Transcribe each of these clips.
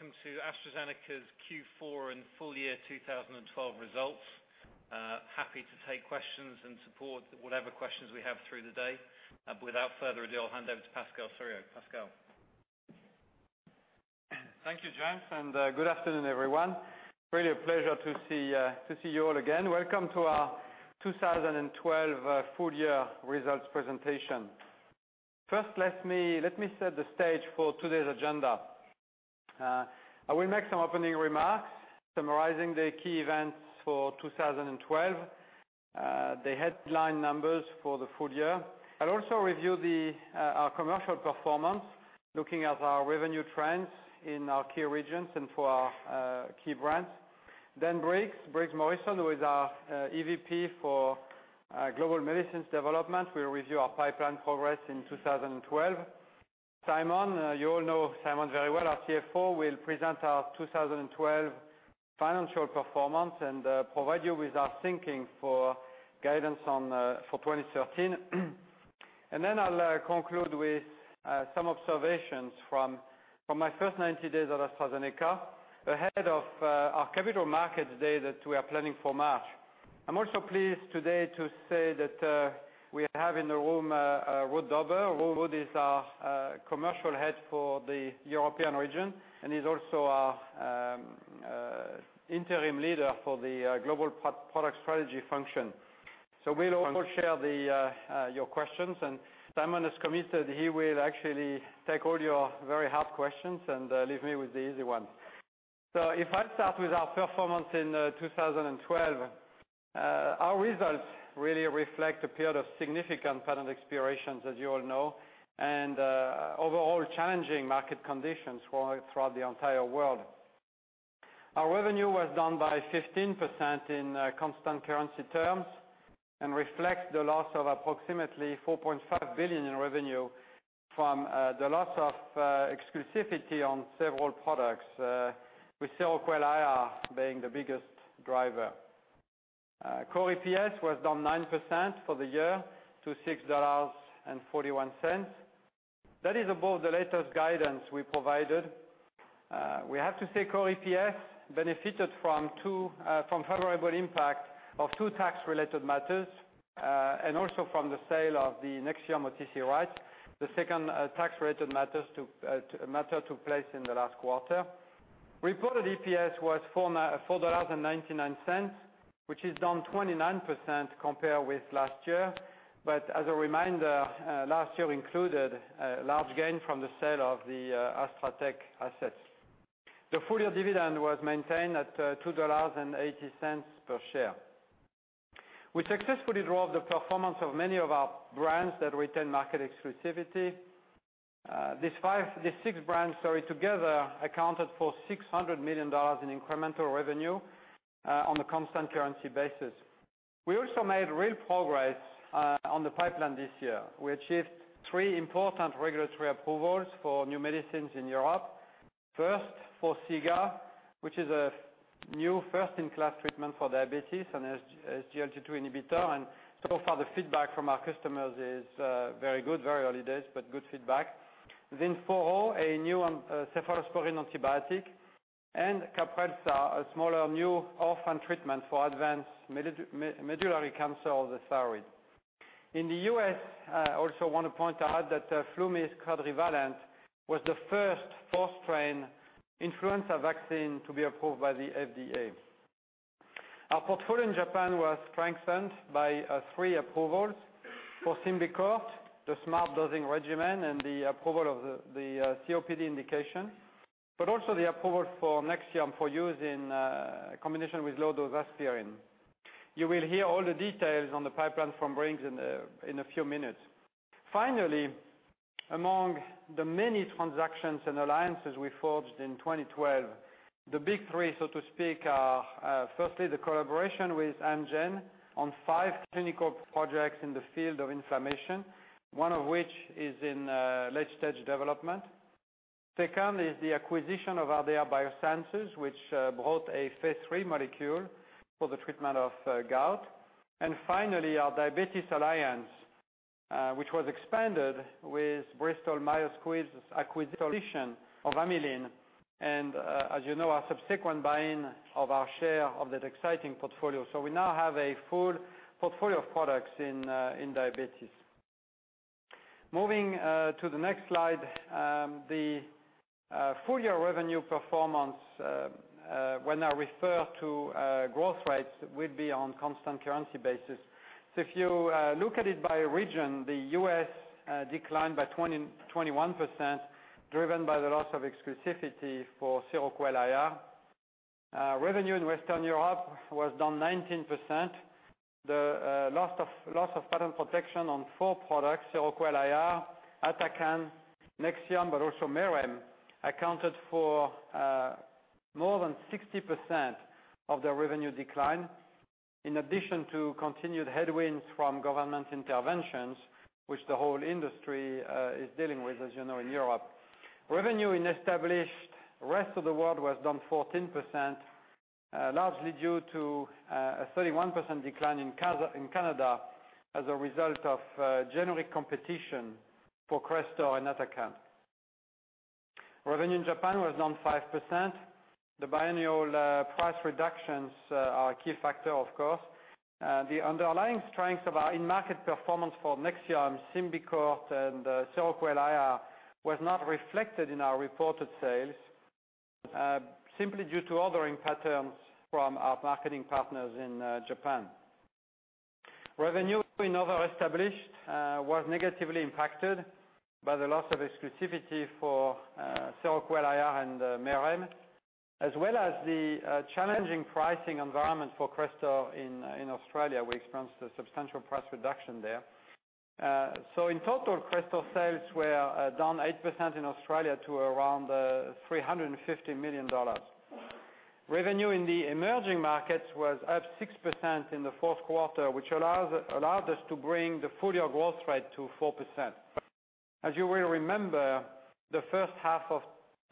Good afternoon, everybody. Welcome to AstraZeneca's Q4 and full year 2012 results. Happy to take questions and support whatever questions we have through the day. Without further ado, I'll hand over to Pascal Soriot. Pascal? Thank you, James. Good afternoon, everyone. Really a pleasure to see you all again. Welcome to our 2012 full year results presentation. First, let me set the stage for today's agenda. I will make some opening remarks summarizing the key events for 2012, the headline numbers for the full year. I'll also review our commercial performance, looking at our revenue trends in our key regions and for our key brands. Briggs Morrison, who is our EVP for Global Medicines Development, will review our pipeline progress in 2012. Simon, you all know Simon very well, our CFO, will present our 2012 financial performance and provide you with our thinking for guidance for 2013. I'll conclude with some observations from my first 90 days at AstraZeneca, ahead of our capital markets day that we are planning for March. I'm also pleased today to say that we have in the room, Ruud Dobber. Ruud is our commercial head for the European region and is also our interim leader for the global product strategy function. We'll also share your questions. Simon has committed he will actually take all your very hard questions and leave me with the easy ones. If I start with our performance in 2012, our results really reflect a period of significant patent expirations, as you all know, and overall challenging market conditions throughout the entire world. Our revenue was down by 15% in constant currency terms and reflects the loss of approximately $4.5 billion in revenue from the loss of exclusivity on several products, with Seroquel XR being the biggest driver. Core EPS was down 9% for the year to $6.41. That is above the latest guidance we provided. We have to say core EPS benefited from favorable impact of 2 tax-related matters, and also from the sale of the NEXIUM OTC rights, the second tax-related matter took place in the last quarter. Reported EPS was $4.99, which is down 29% compared with last year. As a reminder, last year included a large gain from the sale of the Astra Tech assets. The full-year dividend was maintained at $2.80 per share. We successfully drove the performance of many of our brands that retain market exclusivity. These 6 brands together accounted for $600 million in incremental revenue on a constant currency basis. We also made real progress on the pipeline this year. We achieved 3 important regulatory approvals for new medicines in Europe. First, for Forxiga, which is a new first-in-class treatment for diabetes, an SGLT2 inhibitor. So far the feedback from our customers is very good. Very early days, but good feedback. Zinforo, a new cephalosporin antibiotic, and Caprelsa, a smaller new orphan treatment for advanced medullary cancer of the thyroid. In the U.S., I also want to point out that FluMist Quadrivalent was the first four-strain influenza vaccine to be approved by the FDA. Our portfolio in Japan was strengthened by three approvals for SYMBICORT, the SMART dosing regimen, and the approval of the COPD indication, but also the approval for NEXIUM for use in combination with low-dose aspirin. You will hear all the details on the pipeline from Briggs in a few minutes. Among the many transactions and alliances we forged in 2012, the big three, so to speak, are firstly, the collaboration with Amgen on five clinical projects in the field of inflammation, one of which is in late-stage development. Second is the acquisition of Ardea Biosciences, which brought a phase III molecule for the treatment of gout. And finally, our diabetes alliance, which was expanded with Bristol Myers Squibb's acquisition of Amylin and, as you know, our subsequent buying of our share of that exciting portfolio. So we now have a full portfolio of products in diabetes. Moving to the next slide, the full-year revenue performance, when I refer to growth rates, will be on constant currency basis. If you look at it by region, the U.S. declined by 21%, driven by the loss of exclusivity for SEROQUEL XR. Revenue in Western Europe was down 19%. The loss of patent protection on four products, SEROQUEL XR, Atacand, NEXIUM, but also MERREM, accounted for more than 60% of the revenue decline. In addition to continued headwinds from government interventions, which the whole industry is dealing with, as you know, in Europe. Revenue in established rest of the world was down 14%. Largely due to a 31% decline in Canada as a result of generic competition for CRESTOR and Atacand. Revenue in Japan was down 5%. The biennial price reductions are a key factor, of course. The underlying strength of our in-market performance for NEXIUM, SYMBICORT, and SEROQUEL XR was not reflected in our reported sales simply due to ordering patterns from our marketing partners in Japan. Revenue in other established was negatively impacted by the loss of exclusivity for SEROQUEL XR and MERREM, as well as the challenging pricing environment for CRESTOR in Australia. We experienced a substantial price reduction there. So in total, CRESTOR sales were down 8% in Australia to around GBP 350 million. Revenue in the emerging markets was up 6% in the fourth quarter, which allowed us to bring the full-year growth rate to 4%. As you will remember, the first half of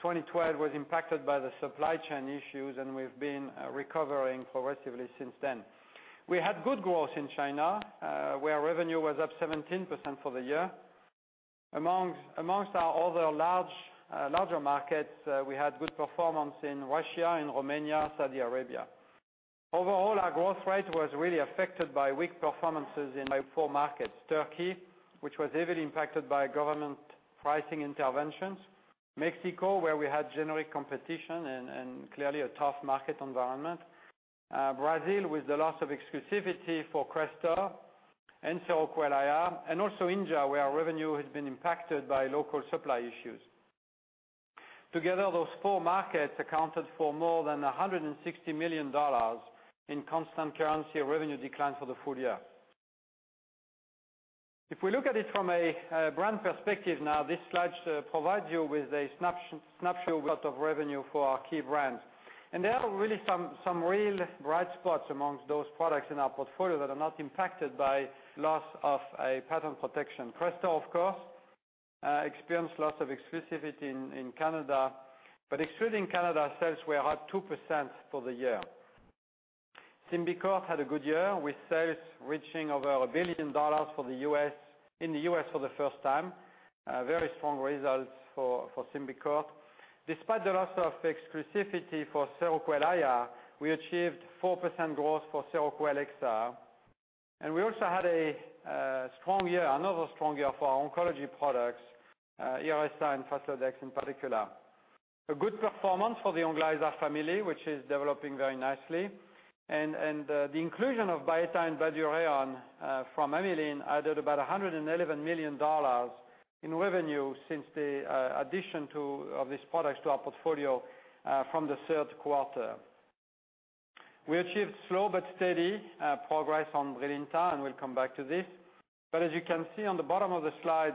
2012 was impacted by the supply chain issues, and we've been recovering progressively since then. We had good growth in China, where revenue was up 17% for the year. Amongst our other larger markets, we had good performance in Russia and Romania, Saudi Arabia. Overall, our growth rate was really affected by weak performances in four markets. Turkey, which was heavily impacted by government pricing interventions. Mexico, where we had generic competition and clearly a tough market environment. Brazil, with the loss of exclusivity for CRESTOR and SEROQUEL XR, and also India, where our revenue has been impacted by local supply issues. Together, those four markets accounted for more than GBP 160 million in constant currency revenue decline for the full year. If we look at it from a brand perspective now, this slide provides you with a snapshot of revenue for our key brands. There are really some real bright spots amongst those products in our portfolio that are not impacted by loss of a patent protection. Crestor, of course, experienced loss of exclusivity in Canada. Excluding Canada, our sales were up 2% for the year. Symbicort had a good year, with sales reaching over GBP 1 billion in the U.S. for the first time. Very strong results for Symbicort. Despite the loss of exclusivity for Seroquel XR, we achieved 4% growth for Seroquel XR. We also had another strong year for our oncology products, Erbitux and Faslodex in particular. A good performance for the Onglyza family, which is developing very nicely. The inclusion of Byetta and Bydureon from Amylin added about GBP 111 million in revenue since the addition of these products to our portfolio from the third quarter. We achieved slow but steady progress on Brilinta, and we'll come back to this. As you can see on the bottom of the slide,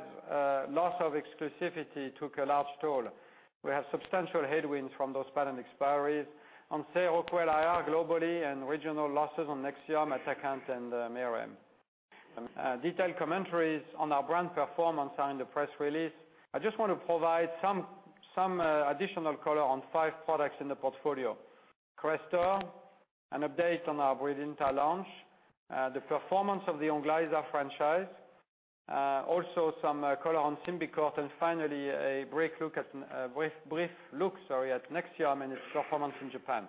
loss of exclusivity took a large toll. We have substantial headwinds from those patent expiries on Seroquel XR globally and regional losses on Nexium, Atacand, and Merrem. Detailed commentaries on our brand performance are in the press release. I just want to provide some additional color on five products in the portfolio. Crestor, an update on our Brilinta launch, the performance of the Onglyza franchise, also some color on Symbicort, and finally a brief look at Nexium and its performance in Japan.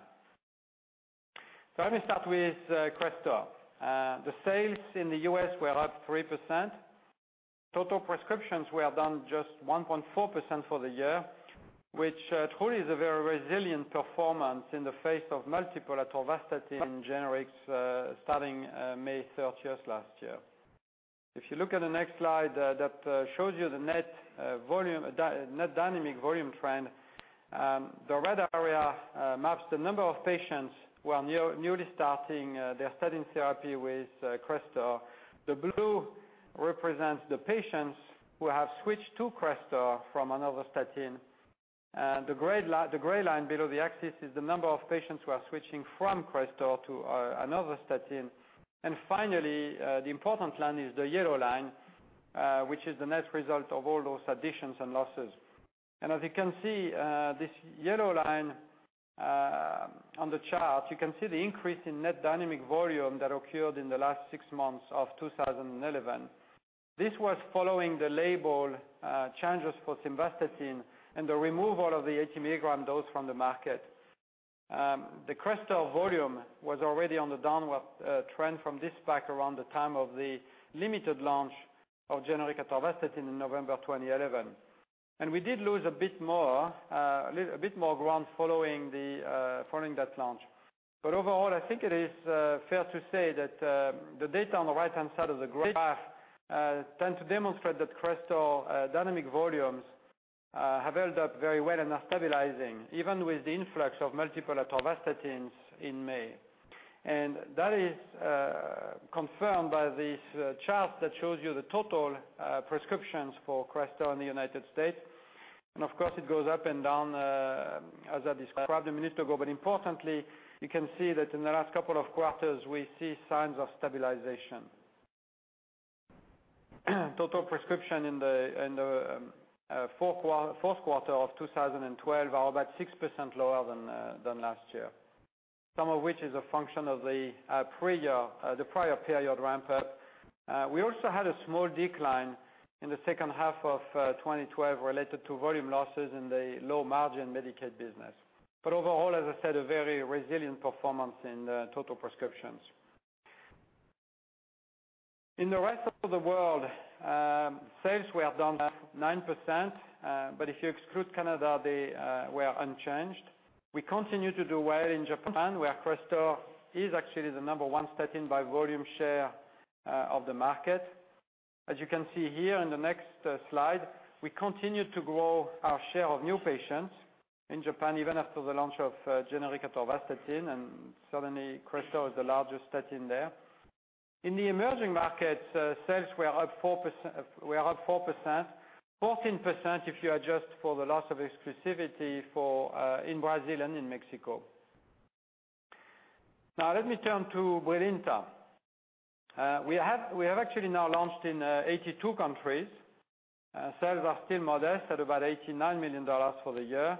Let me start with Crestor. The sales in the U.S. were up 3%. Total prescriptions were down just 1.4% for the year, which truly is a very resilient performance in the face of multiple atorvastatin generics starting May 30th last year. If you look at the next slide that shows you the net dynamic volume trend, the red area maps the number of patients who are newly starting their statin therapy with Crestor. The blue represents the patients who have switched to Crestor from another statin. The gray line below the axis is the number of patients who are switching from Crestor to another statin. Finally, the important line is the yellow line, which is the net result of all those additions and losses. As you can see, this yellow line on the chart, you can see the increase in net dynamic volume that occurred in the last six months of 2011. This was following the label changes for simvastatin and the removal of the 80 milligram dose from the market. The Crestor volume was already on the downward trend from this back around the time of the limited launch of generic atorvastatin in November 2011. We did lose a bit more ground following that launch. Overall, I think it is fair to say that the data on the right-hand side of the graph tend to demonstrate that Crestor dynamic volumes have held up very well and are stabilizing, even with the influx of multiple atorvastatins in May. That is confirmed by this chart that shows you the total prescriptions for Crestor in the United States. Of course, it goes up and down as I described a minute ago. Importantly, you can see that in the last couple of quarters, we see signs of stabilization. Total prescription in the fourth quarter of 2012 are about 6% lower than last year, some of which is a function of the prior period ramp-up. We also had a small decline in the second half of 2012 related to volume losses in the low-margin Medicaid business. Overall, as I said, a very resilient performance in total prescriptions. In the rest of the world, sales were down 9%, but if you exclude Canada, they were unchanged. We continue to do well in Japan, where Crestor is actually the number one statin by volume share of the market. As you can see here in the next slide, we continue to grow our share of new patients in Japan, even after the launch of generic atorvastatin, and certainly, Crestor is the largest statin there. In the emerging markets, sales were up 4%, 14% if you adjust for the loss of exclusivity in Brazil and in Mexico. Let me turn to Brilinta. We have actually now launched in 82 countries. Sales are still modest at about GBP 89 million for the year.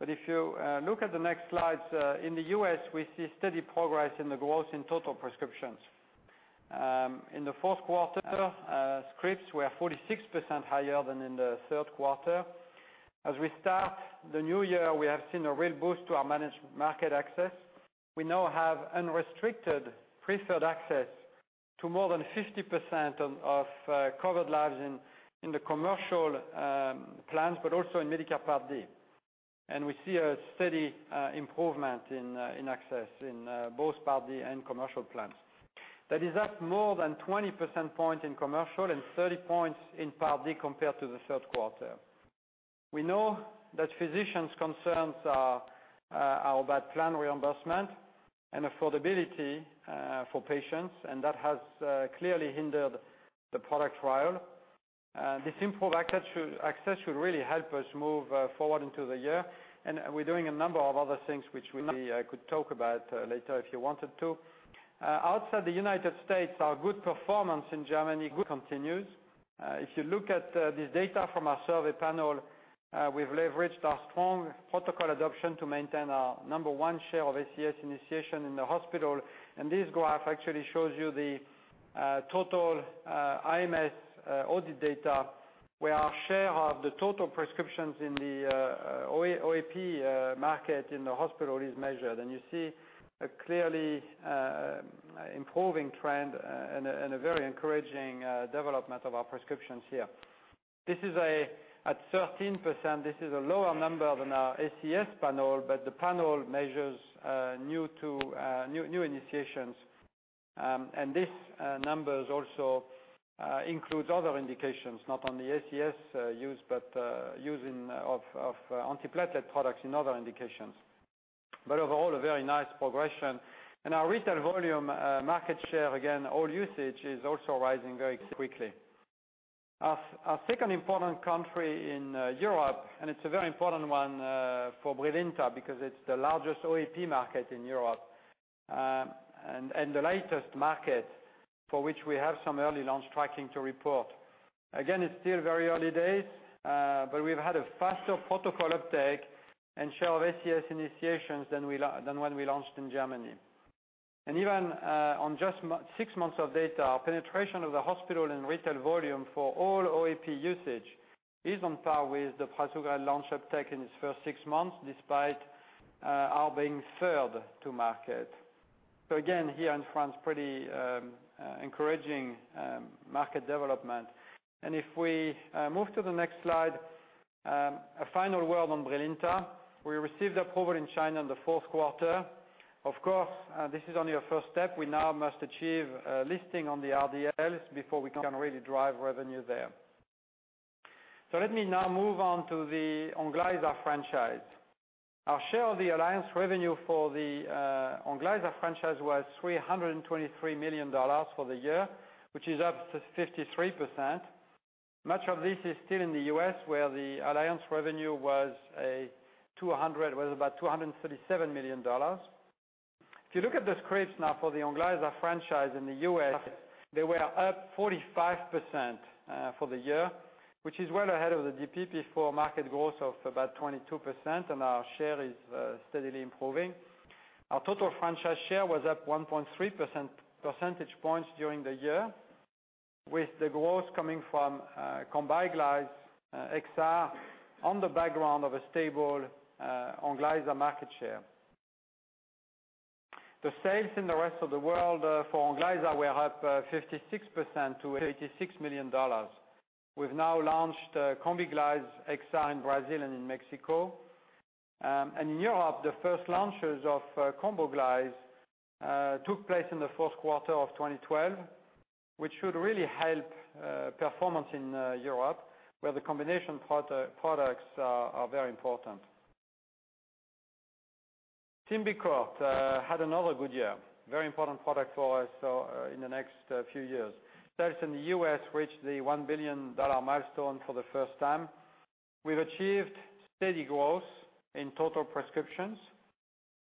If you look at the next slides, in the U.S., we see steady progress in the growth in total prescriptions. In the fourth quarter, scripts were 46% higher than in the third quarter. As we start the new year, we have seen a real boost to our managed market access. We now have unrestricted preferred access to more than 50% of covered lives in the commercial plans, but also in Medicare Part D. We see a steady improvement in access in both Part D and commercial plans. That is up more than 20% point in commercial and 30 points in Part D compared to the third quarter. We know that physicians' concerns are about plan reimbursement and affordability for patients, and that has clearly hindered the product trial. This improved access should really help us move forward into the year, and we're doing a number of other things which we could talk about later if you wanted to. Outside the United States, our good performance in Germany continues. If you look at the data from our survey panel, we've leveraged our strong protocol adoption to maintain our number one share of SCS initiation in the hospital. This graph actually shows you the total IMS audit data, where our share of the total prescriptions in the OAP market in the hospital is measured. You see a clearly improving trend and a very encouraging development of our prescriptions here. At 13%, this is a lower number than our SCS panel, but the panel measures new initiations. These numbers also includes other indications, not on the SCS use, but using of antiplatelet products in other indications. Overall, a very nice progression. Our retail volume market share, again, all usage is also rising very quickly. Our second important country in Europe, and it's a very important one for Brilinta because it's the largest OAP market in Europe, and the latest market for which we have some early launch tracking to report. It's still very early days, but we've had a faster protocol uptake and share of SCS initiations than when we launched in Germany. Even on just six months of data, our penetration of the hospital and retail volume for all OAP usage is on par with the prasugrel launch uptake in its first six months, despite our being third to market. Here in France, pretty encouraging market development. If we move to the next slide, a final word on Brilinta. We received approval in China in the fourth quarter. Of course, this is only a first step. We now must achieve listing on the RDLs before we can really drive revenue there. Let me now move on to the Onglyza franchise. Our share of the alliance revenue for the Onglyza franchise was GBP 323 million for the year, which is up to 53%. Much of this is still in the U.S., where the alliance revenue was about $237 million. If you look at the scripts now for the Onglyza franchise in the U.S., they were up 45% for the year, which is well ahead of the DPP-4 market growth of about 22%, and our share is steadily improving. Our total franchise share was up 1.3% percentage points during the year, with the growth coming from KOMBIGLYZE XR on the background of a stable Onglyza market share. The sales in the rest of the world for Onglyza were up 56% to GBP 86 million. We've now launched KOMBIGLYZE XR in Brazil and in Mexico. In Europe, the first launches of Kombiglyze took place in the first quarter of 2012, which should really help performance in Europe, where the combination products are very important. Symbicort had another good year. Very important product for us in the next few years. Sales in the U.S. reached the $1 billion milestone for the first time. We've achieved steady growth in total prescriptions.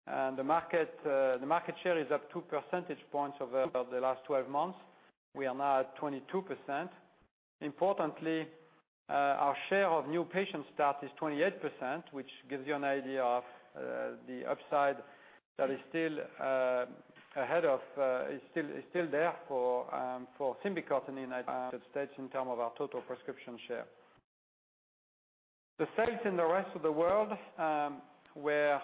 The market share is up two percentage points over the last 12 months. We are now at 22%. Importantly, our share of new patient start is 28%, which gives you an idea of the upside that is still there for Symbicort in the United States in terms of our total prescription share. The sales in the rest of the world were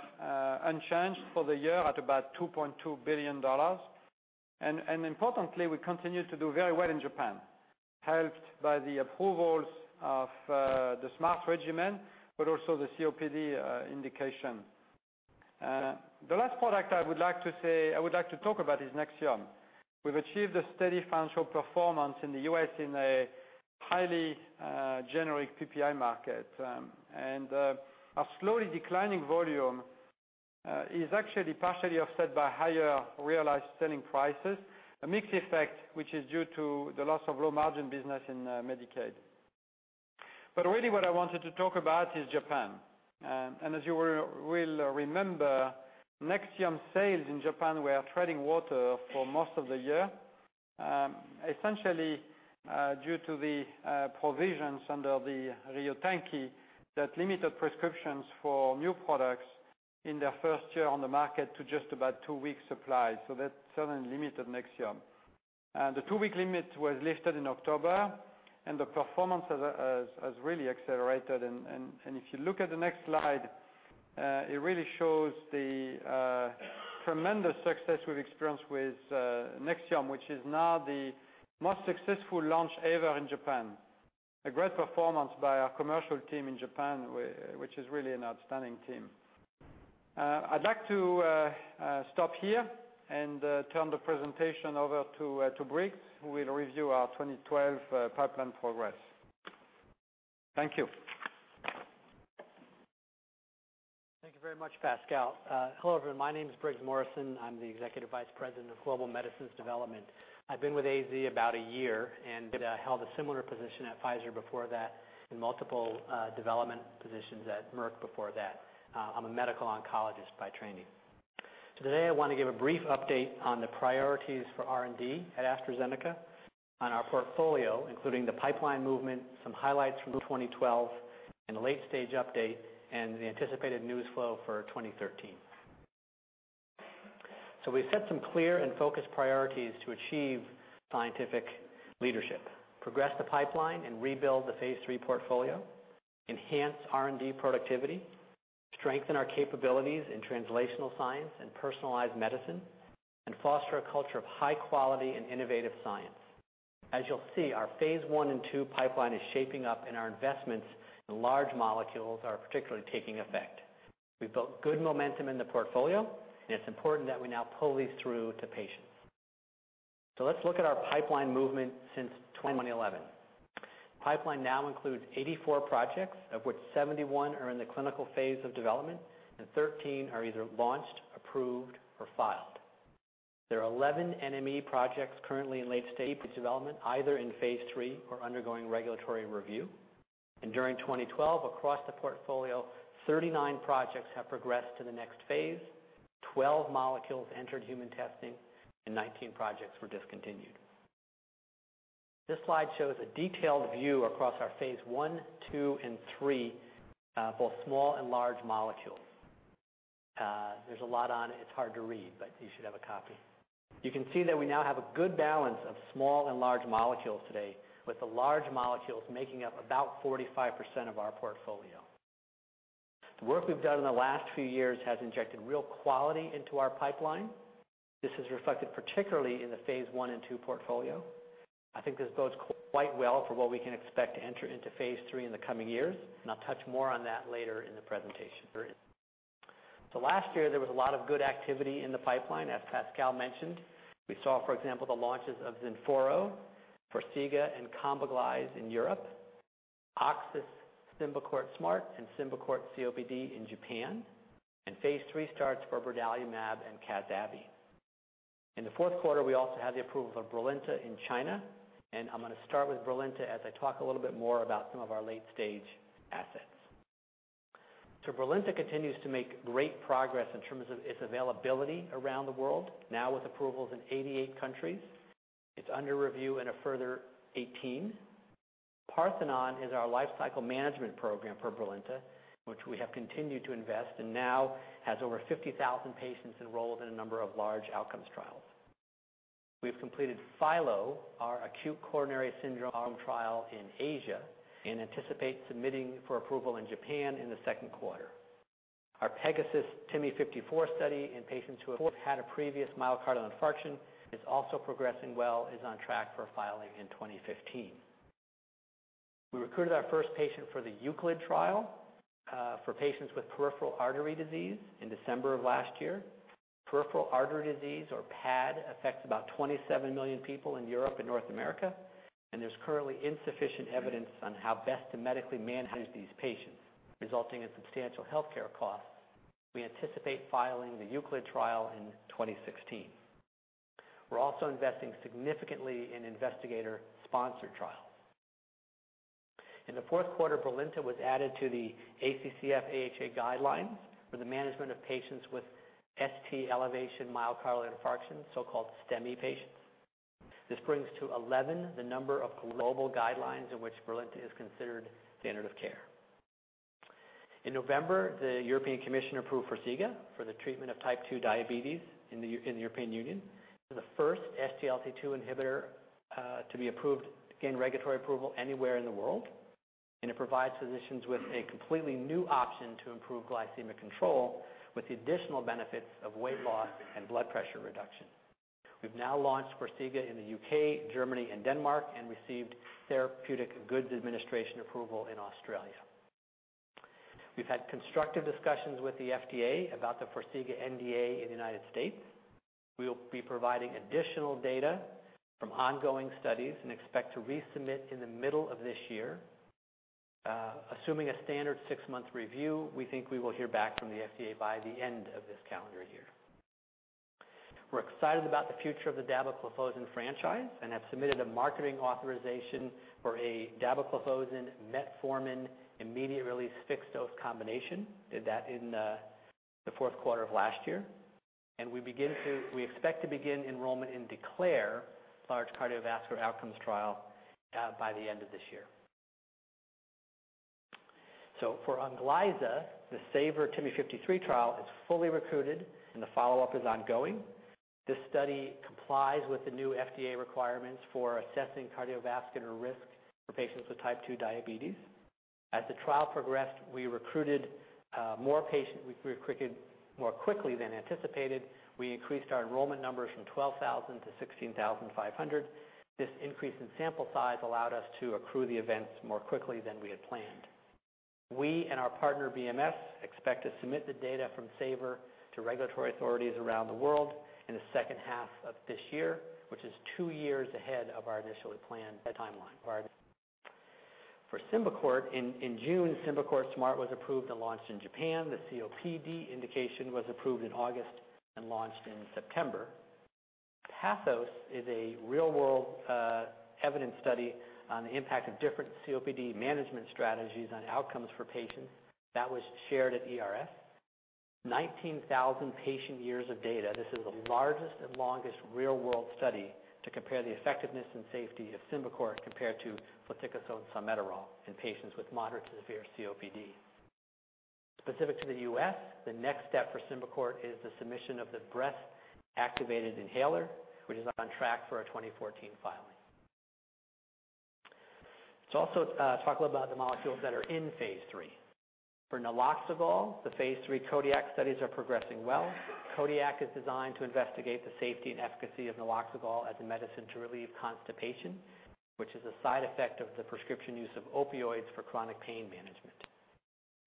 unchanged for the year at about GBP 2.2 billion. Importantly, we continue to do very well in Japan, helped by the approvals of the Symbicort SMART regimen, but also the COPD indication. The last product I would like to talk about is Nexium. We've achieved a steady financial performance in the U.S. in a highly generic PPI market. Our slowly declining volume is actually partially offset by higher realized selling prices, a mixed effect which is due to the loss of low-margin business in Medicaid. Really what I wanted to talk about is Japan. As you will remember, Nexium sales in Japan were treading water for most of the year, essentially due to the provisions under the Ryotanki that limited prescriptions for new products in their first year on the market to just about two weeks' supply. That certainly limited Nexium. The two-week limit was lifted in October, the performance has really accelerated. If you look at the next slide, it really shows the tremendous success we've experienced with Nexium, which is now the most successful launch ever in Japan. A great performance by our commercial team in Japan, which is really an outstanding team. I'd like to stop here and turn the presentation over to Briggs, who will review our 2012 pipeline progress. Thank you. Thank you very much, Pascal. Hello, everyone. My name is Briggs Morrison. I'm the Executive Vice President of Global Medicines Development. I've been with AZ about a year, held a similar position at Pfizer before that, and multiple development positions at Merck before that. I'm a medical oncologist by training. Today, I want to give a brief update on the priorities for R&D at AstraZeneca on our portfolio, including the pipeline movement, some highlights from 2012, a late-stage update and the anticipated news flow for 2013. We've set some clear and focused priorities to achieve scientific leadership, progress the pipeline, rebuild the phase III portfolio, enhance R&D productivity, strengthen our capabilities in translational science and personalized medicine, and foster a culture of high quality and innovative science. As you'll see, our phase I and II pipeline is shaping up, our investments in large molecules are particularly taking effect. We've built good momentum in the portfolio, it's important that we now pull these through to patients. Let's look at our pipeline movement since 2011. Pipeline now includes 84 projects, of which 71 are in the clinical phase of development, 13 are either launched, approved, or filed. There are 11 NME projects currently in late-stage development, either in phase III or undergoing regulatory review. During 2012, across the portfolio, 39 projects have progressed to the next phase, 12 molecules entered human testing, 19 projects were discontinued. This slide shows a detailed view across our phase I, II, and III, both small and large molecules. There's a lot on it's hard to read, you should have a copy. You can see that we now have a good balance of small and large molecules today, with the large molecules making up about 45% of our portfolio. The work we've done in the last few years has injected real quality into our pipeline. This is reflected particularly in the phase I and II portfolio. I think this bodes quite well for what we can expect to enter into phase III in the coming years. I'll touch more on that later in the presentation. Last year, there was a lot of good activity in the pipeline, as Pascal mentioned. We saw, for example, the launches of Zinforo, Forxiga, and Kombiglyze in Europe, OXYS, Symbicort SMART, and Symbicort COPD in Japan, phase III starts for durvalumab and CAZ-AVI. In the fourth quarter, we also had the approval for Brilinta in China. I'm going to start with Brilinta as I talk a little bit more about some of our late-stage assets. Brilinta continues to make great progress in terms of its availability around the world, now with approvals in 88 countries. It's under review in a further 18. PARTHENON is our lifecycle management program for Brilinta, which we have continued to invest and now has over 50,000 patients enrolled in a number of large outcomes trials. We've completed PHILO, our acute coronary syndrome trial in Asia, and anticipate submitting for approval in Japan in the second quarter. Our PEGASUS-TIMI 54 study in patients who have had a previous myocardial infarction is also progressing well, is on track for filing in 2015. We recruited our first patient for the EUCLID trial, for patients with peripheral artery disease in December of last year. Peripheral artery disease, or PAD, affects about 27 million people in Europe and North America. There's currently insufficient evidence on how best to medically manage these patients, resulting in substantial healthcare costs. We anticipate filing the EUCLID trial in 2016. We're also investing significantly in investigator-sponsored trials. In the fourth quarter, Brilinta was added to the ACCF/AHA guidelines for the management of patients with ST elevation myocardial infarctions, so-called STEMI patients. This brings to 11 the number of global guidelines in which Brilinta is considered standard of care. In November, the European Commission approved Farxiga for the treatment of type 2 diabetes in the European Union. It's the first SGLT2 inhibitor to gain regulatory approval anywhere in the world. It provides physicians with a completely new option to improve glycemic control with the additional benefits of weight loss and blood pressure reduction. We've now launched Farxiga in the U.K., Germany, and Denmark and received Therapeutic Goods Administration approval in Australia. We've had constructive discussions with the FDA about the Farxiga NDA in the United States. We will be providing additional data from ongoing studies and expect to resubmit in the middle of this year. Assuming a standard six-month review, we think we will hear back from the FDA by the end of this calendar year. We're excited about the future of the dabigatran franchise and have submitted a marketing authorization for a dabigatran metformin immediate-release fixed-dose combination. Did that in the fourth quarter of last year. We expect to begin enrollment in DECLARE, a large cardiovascular outcomes trial, by the end of this year. For Onglyza, the SAVOR-TIMI 53 trial is fully recruited, and the follow-up is ongoing. This study complies with the new FDA requirements for assessing cardiovascular risk for patients with type 2 diabetes. As the trial progressed, we recruited more patients more quickly than anticipated. We increased our enrollment numbers from 12,000 to 16,500. This increase in sample size allowed us to accrue the events more quickly than we had planned. We and our partner, BMS, expect to submit the data from SAVOR to regulatory authorities around the world in the second half of this year, which is two years ahead of our initially planned timeline. For Symbicort, in June, Symbicort SMART was approved and launched in Japan. The COPD indication was approved in August and launched in September. PATHOS is a real-world evidence study on the impact of different COPD management strategies on outcomes for patients. That was shared at ERS. 19,000 patient years of data. This is the largest and longest real-world study to compare the effectiveness and safety of Symbicort compared to fluticasone-salmeterol in patients with moderate to severe COPD. Specific to the U.S., the next step for Symbicort is the submission of the breath-activated inhaler, which is on track for a 2014 filing. Let's also talk about the molecules that are in phase III. For naloxegol, the phase III CODIAK studies are progressing well. CODIAK is designed to investigate the safety and efficacy of naloxegol as a medicine to relieve constipation, which is a side effect of the prescription use of opioids for chronic pain management.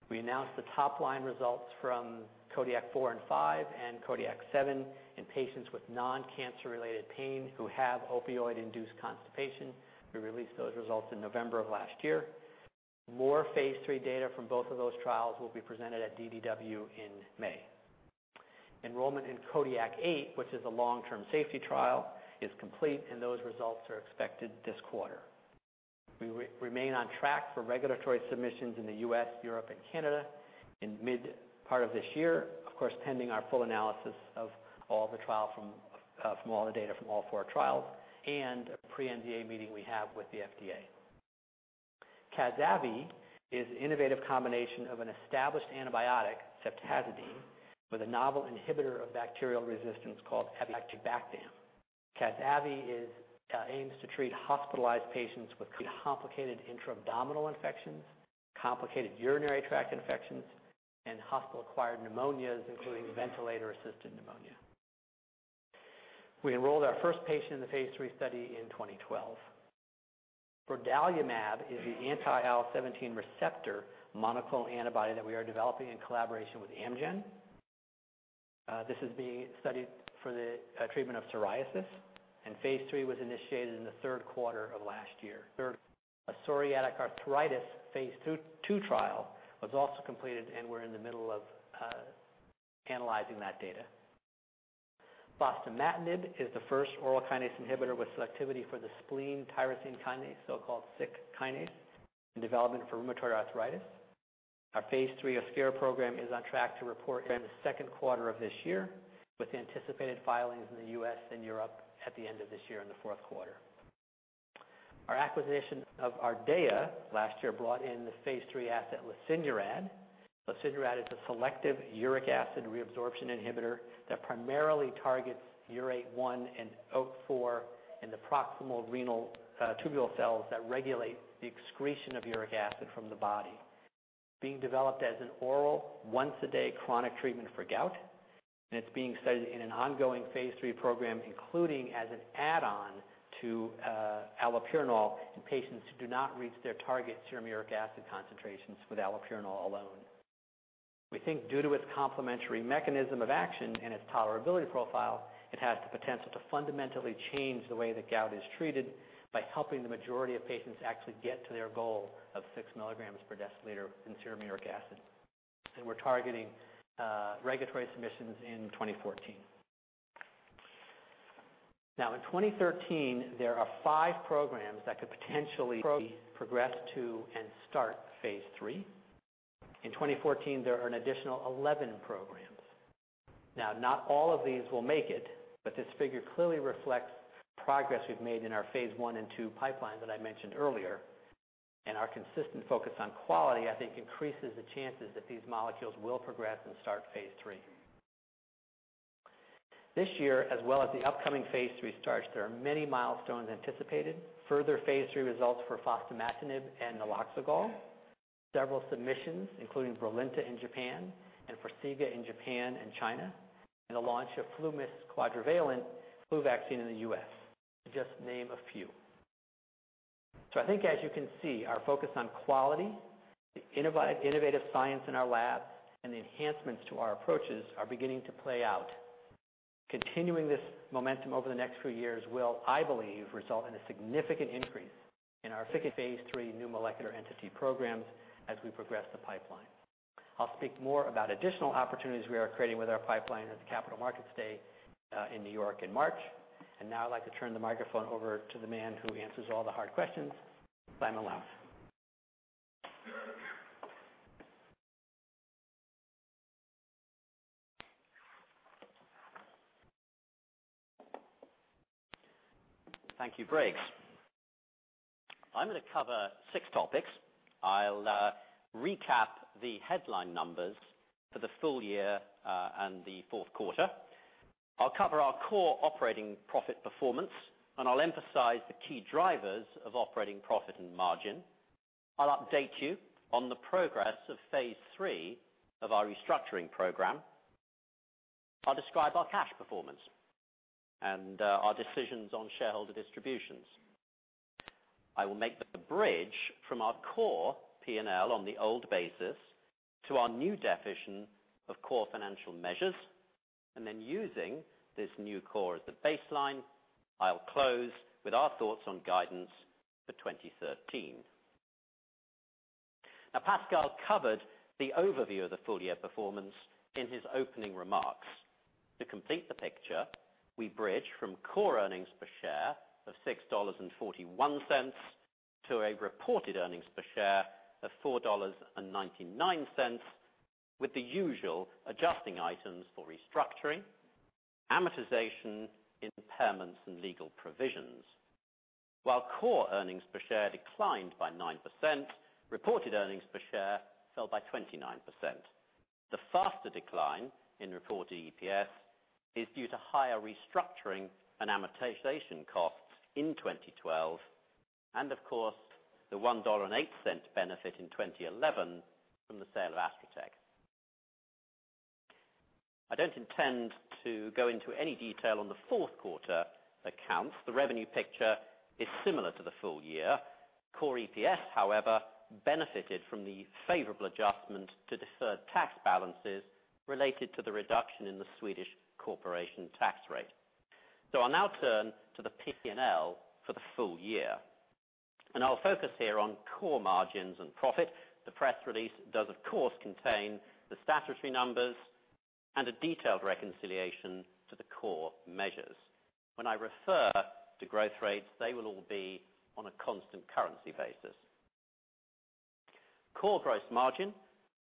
We announced the top-line results from CODIAK 4 and 5, and CODIAK 7 in patients with non-cancer-related pain who have opioid-induced constipation. We released those results in November of last year. More phase III data from both of those trials will be presented at DDW in May. Enrollment in CODIAK 8, which is a long-term safety trial, is complete, and those results are expected this quarter. We remain on track for regulatory submissions in the U.S., Europe, and Canada in the mid part of this year. Of course, pending our full analysis of all the data from all 4 trials and a pre-NDA meeting we have with the FDA. CAZ-AVI is an innovative combination of an established antibiotic, ceftazidime, with a novel inhibitor of bacterial resistance called avibactam. CAZ-AVI aims to treat hospitalized patients with complicated intra-abdominal infections, complicated urinary tract infections, and hospital-acquired pneumonias, including ventilator-assisted pneumonia. We enrolled our first patient in the phase III study in 2012. Brodalumab is the anti-IL-17 receptor monoclonal antibody that we are developing in collaboration with Amgen. This is being studied for the treatment of psoriasis, and phase III was initiated in the third quarter of last year. A psoriatic arthritis phase II trial was also completed, and we are in the middle of analyzing that data. Fostamatinib is the first oral kinase inhibitor with selectivity for the spleen tyrosine kinase, so-called SYK kinase, in development for rheumatoid arthritis. Our phase III OSCAR program is on track to report in the second quarter of this year, with anticipated filings in the U.S. and Europe at the end of this year in the fourth quarter. Our acquisition of Ardea last year brought in the phase III asset lesinurad. Lesinurad is a selective uric acid reabsorption inhibitor that primarily targets URAT1 and OAT4 in the proximal renal tubule cells that regulate the excretion of uric acid from the body. It is being developed as an oral, once-a-day chronic treatment for gout, and it is being studied in an ongoing phase III program, including as an add-on to allopurinol in patients who do not reach their target serum uric acid concentrations with allopurinol alone. We think due to its complementary mechanism of action and its tolerability profile, it has the potential to fundamentally change the way that gout is treated by helping the majority of patients actually get to their goal of 6 milligrams per deciliter in serum uric acid. We are targeting regulatory submissions in 2014. In 2013, there are five programs that could potentially progress to and start phase III. In 2014, there are an additional 11 programs. Not all of these will make it, but this figure clearly reflects the progress we've made in our phase I and II pipeline that I mentioned earlier, and our consistent focus on quality, I think, increases the chances that these molecules will progress and start phase III. This year, as well as the upcoming phase III starts, there are many milestones anticipated. Further phase III results for Fostamatinib and naloxegol. Several submissions, including BRILINTA in Japan and Farxiga in Japan and China, and the launch of FluMist Quadrivalent Flu Vaccine in the U.S., to just name a few. I think, as you can see, our focus on quality, the innovative science in our lab, and the enhancements to our approaches are beginning to play out. Continuing this momentum over the next few years will, I believe, result in a significant increase in our phase III new molecular entity programs as we progress the pipeline. I'll speak more about additional opportunities we are creating with our pipeline at the Capital Markets Day in New York in March. Now I'd like to turn the microphone over to the man who answers all the hard questions, Simon Lowth. Thank you, Briggs. I'm going to cover six topics. I'll recap the headline numbers for the full year, and the fourth quarter. I'll cover our core operating profit performance, and I'll emphasize the key drivers of operating profit and margin. I'll update you on the progress of phase III of our restructuring program. I'll describe our cash performance and our decisions on shareholder distributions. I will make the bridge from our core P&L on the old basis to our new definition of core financial measures. Then using this new core as the baseline, I'll close with our thoughts on guidance for 2013. Pascal covered the overview of the full-year performance in his opening remarks. To complete the picture, we bridge from core earnings per share of $6.41 to a reported earnings per share of $4.99, with the usual adjusting items for restructuring, amortization, impairments, and legal provisions. While core earnings per share declined by 9%, reported earnings per share fell by 29%. The faster decline in reported EPS is due to higher restructuring and amortization costs in 2012, and of course, the $1.08 benefit in 2011 from the sale of Astra Tech. I don't intend to go into any detail on the fourth quarter accounts. The revenue picture is similar to the full year. Core EPS, however, benefited from the favorable adjustment to deferred tax balances related to the reduction in the Swedish corporation tax rate. I'll now turn to the P&L for the full year, and I'll focus here on core margins and profit. The press release does, of course, contain the statutory numbers and a detailed reconciliation to the core measures. When I refer to growth rates, they will all be on a constant currency basis. Core gross margin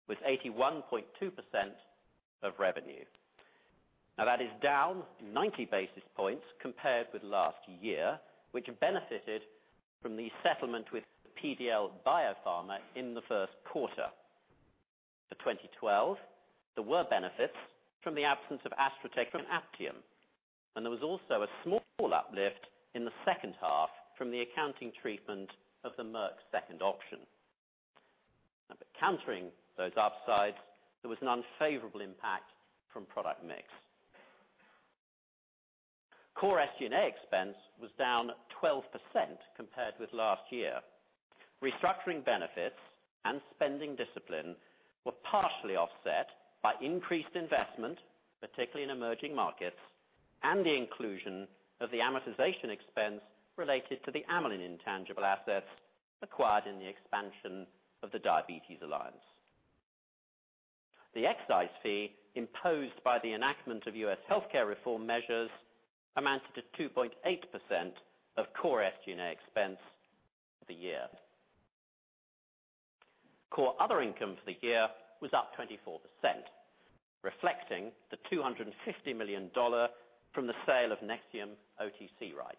was 81.2% of revenue. That is down 90 basis points compared with last year, which benefited from the settlement with PDL BioPharma in the first quarter. For 2012, there were benefits from the absence of Astra Tech and Aptium Oncology, and there was also a small uplift in the second half from the accounting treatment of the Merck second option. Countering those upsides, there was an unfavorable impact from product mix. Core SG&A expense was down 12% compared with last year. Restructuring benefits and spending discipline were partially offset by increased investment, particularly in emerging markets, and the inclusion of the amortization expense related to the Amylin Pharmaceuticals intangible assets acquired in the expansion of the Diabetes Alliance. The excise fee imposed by the enactment of U.S. healthcare reform measures amounted to 2.8% of core SG&A expense for the year. Core other income for the year was up 24%, reflecting the GBP 250 million from the sale of NEXIUM OTC rights.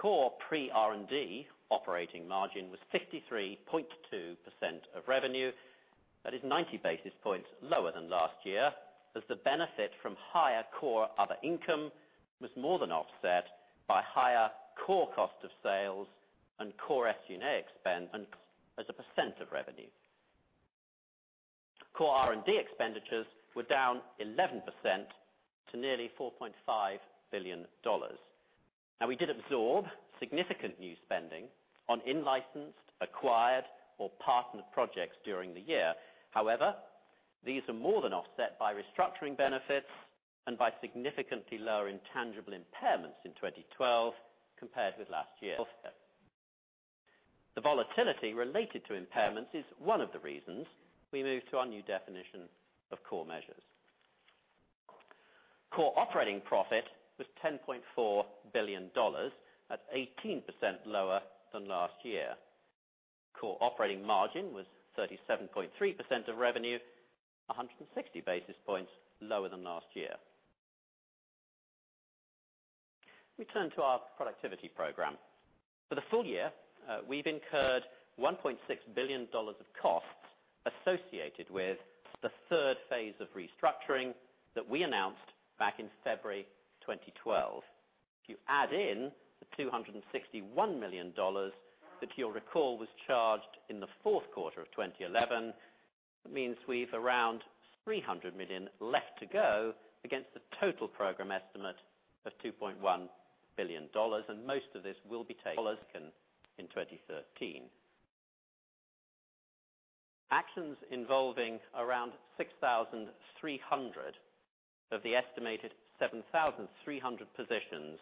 Core pre-R&D operating margin was 53.2% of revenue. That is 90 basis points lower than last year, as the benefit from higher core other income was more than offset by higher core cost of sales and core SG&A expense as a % of revenue. Core R&D expenditures were down 11% to nearly GBP 4.5 billion. We did absorb significant new spending on in-licensed, acquired, or partnered projects during the year. These are more than offset by restructuring benefits and by significantly lower intangible impairments in 2012 compared with last year. The volatility related to impairments is one of the reasons we moved to our new definition of core measures. Core operating profit was GBP 10.4 billion at 18% lower than last year. Core operating margin was 37.3% of revenue, 160 basis points lower than last year. We turn to our productivity program. For the full year, we've incurred GBP 1.6 billion of costs associated with the phase III of restructuring that we announced back in February 2012. If you add in the GBP 261 million, that you'll recall was charged in the fourth quarter of 2011, it means we've around 300 million left to go against the total program estimate of GBP 2.1 billion. Most of this will be taken in 2013. Actions involving around 6,300 of the estimated 7,300 positions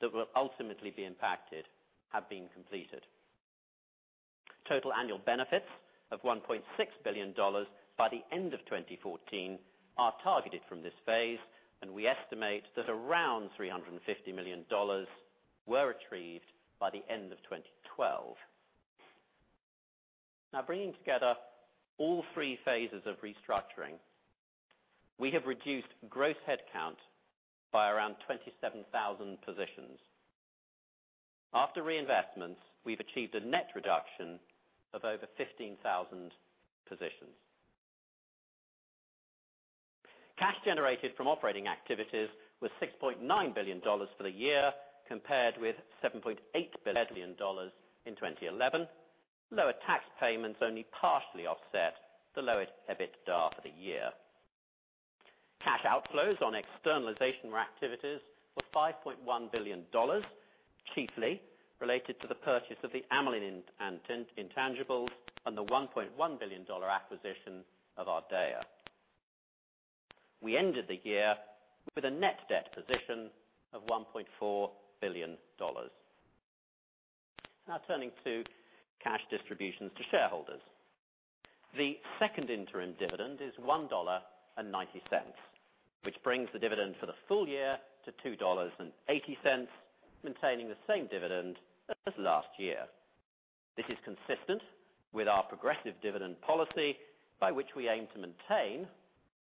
that will ultimately be impacted have been completed. Total annual benefits of GBP 1.6 billion by the end of 2014 are targeted from this phase, and we estimate that around GBP 350 million were retrieved by the end of 2012. Bringing together all three phases of restructuring, we have reduced gross headcount by around 27,000 positions. After reinvestments, we've achieved a net reduction of over 15,000 positions. Cash generated from operating activities was GBP 6.9 billion for the year, compared with GBP 7.8 billion in 2011. Lower tax payments only partially offset the lowered EBITDA for the year. Cash outflows on externalization activities were GBP 5.1 billion, chiefly related to the purchase of the Amylin Pharmaceuticals intangibles and the GBP 1.1 billion acquisition of Ardea Biosciences. We ended the year with a net debt position of GBP 1.4 billion. Turning to cash distributions to shareholders. The second interim dividend is GBP 1.90, which brings the dividend for the full year to GBP 2.80, maintaining the same dividend as last year. This is consistent with our progressive dividend policy by which we aim to maintain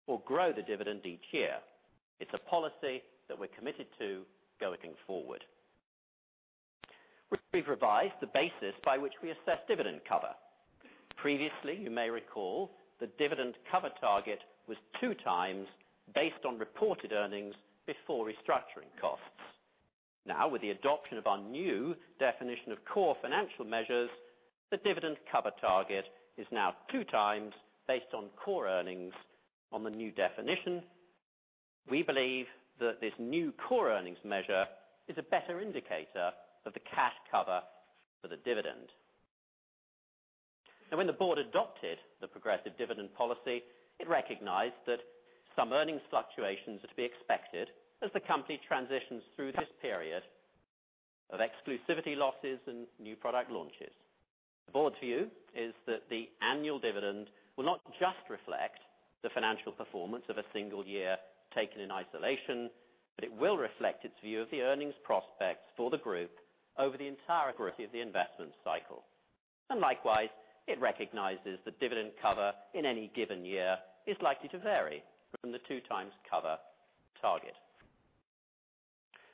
or grow the dividend each year. It's a policy that we're committed to going forward. We've revised the basis by which we assess dividend cover. Previously, you may recall the dividend cover target was two times based on reported earnings before restructuring costs. Now, with the adoption of our new definition of core financial measures, the dividend cover target is now two times based on core earnings on the new definition. We believe that this new core earnings measure is a better indicator of the cash cover for the dividend. When the board adopted the progressive dividend policy, it recognized that some earnings fluctuations are to be expected as the company transitions through this period of exclusivity losses and new product launches. The board's view is that the annual dividend will not just reflect the financial performance of a single year taken in isolation, but it will reflect its view of the earnings prospects for the group over the entire growth of the investment cycle. Likewise, it recognizes that dividend cover in any given year is likely to vary from the two times cover target.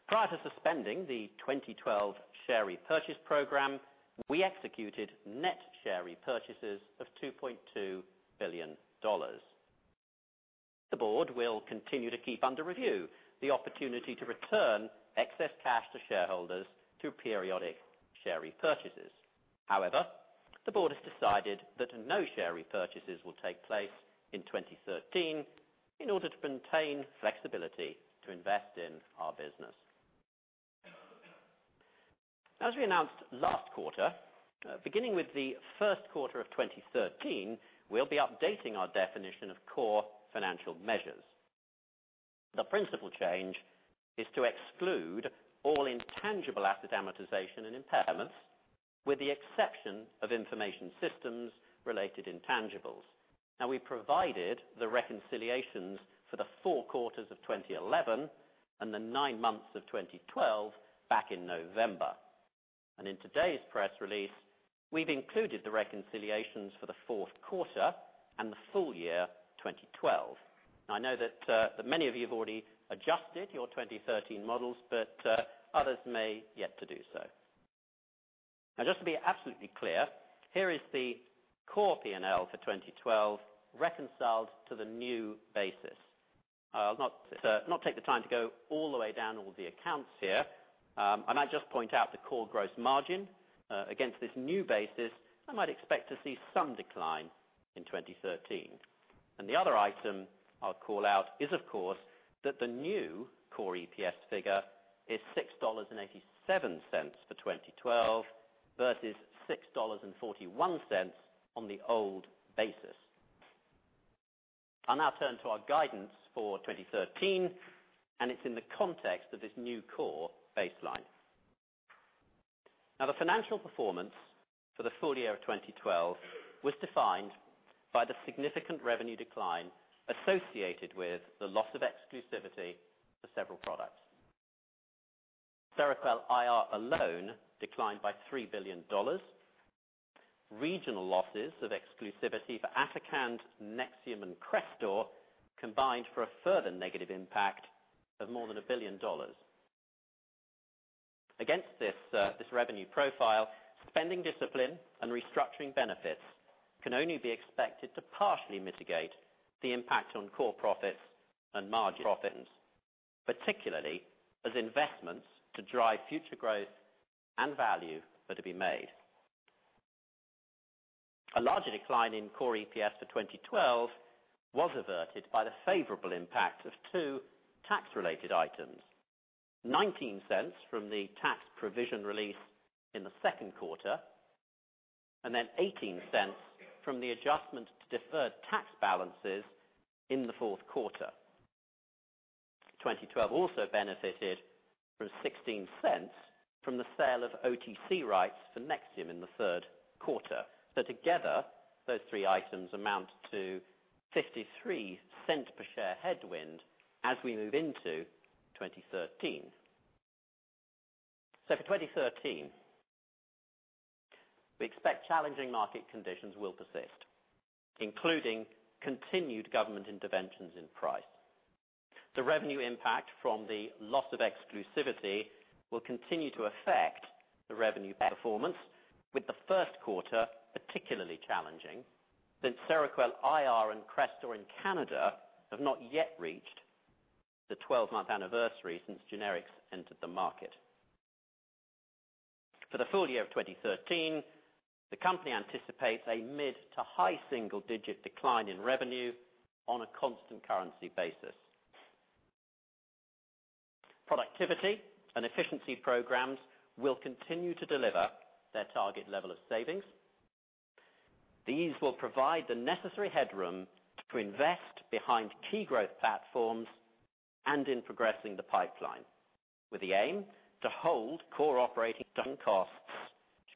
Prior to suspending the 2012 share repurchase program, we executed net share repurchases of GBP 2.2 billion. The board will continue to keep under review the opportunity to return excess cash to shareholders through periodic share repurchases. However, the board has decided that no share repurchases will take place in 2013 in order to maintain flexibility to invest in our business. As we announced last quarter, beginning with the first quarter of 2013, we'll be updating our definition of core financial measures. The principal change is to exclude all intangible asset amortization and impairments, with the exception of information systems related intangibles. We provided the reconciliations for the four quarters of 2011 and the nine months of 2012 back in November. In today's press release, we've included the reconciliations for the fourth quarter and the full year 2012. I know that many of you have already adjusted your 2013 models, but others may yet to do so. Just to be absolutely clear, here is the core P&L for 2012 reconciled to the new basis. I'll not take the time to go all the way down all the accounts here. I might just point out the core gross margin against this new basis, I might expect to see some decline in 2013. The other item I'll call out is, of course, that the new core EPS figure is GBP 6.87 for 2012 versus GBP 6.41 on the old basis. I'll now turn to our guidance for 2013, it's in the context of this new core baseline. The financial performance for the full year of 2012 was defined by the significant revenue decline associated with the loss of exclusivity for several products. Seroquel IR alone declined by GBP 3 billion. Regional losses of exclusivity for Atacand, Nexium, and Crestor combined for a further negative impact of more than GBP 1 billion. Against this revenue profile, spending discipline and restructuring benefits can only be expected to partially mitigate the impact on core profits and margin profits, particularly as investments to drive future growth and value are to be made. A larger decline in core EPS for 2012 was averted by the favorable impact of two tax-related items. 0.19 from the tax provision release in the second quarter, 0.18 from the adjustment to deferred tax balances in the fourth quarter. 2012 also benefited from 0.16 from the sale of OTC rights for Nexium in the third quarter. Together, those three items amount to 0.53 per share headwind as we move into 2013. For 2013, we expect challenging market conditions will persist, including continued government interventions in price. The revenue impact from the loss of exclusivity will continue to affect the revenue performance with the first quarter, particularly challenging, since Seroquel IR and Crestor in Canada have not yet reached the 12-month anniversary since generics entered the market. For the full year of 2013, the company anticipates a mid to high single-digit decline in revenue on a constant currency basis. Productivity and efficiency programs will continue to deliver their target level of savings. These will provide the necessary headroom to invest behind key growth platforms and in progressing the pipeline with the aim to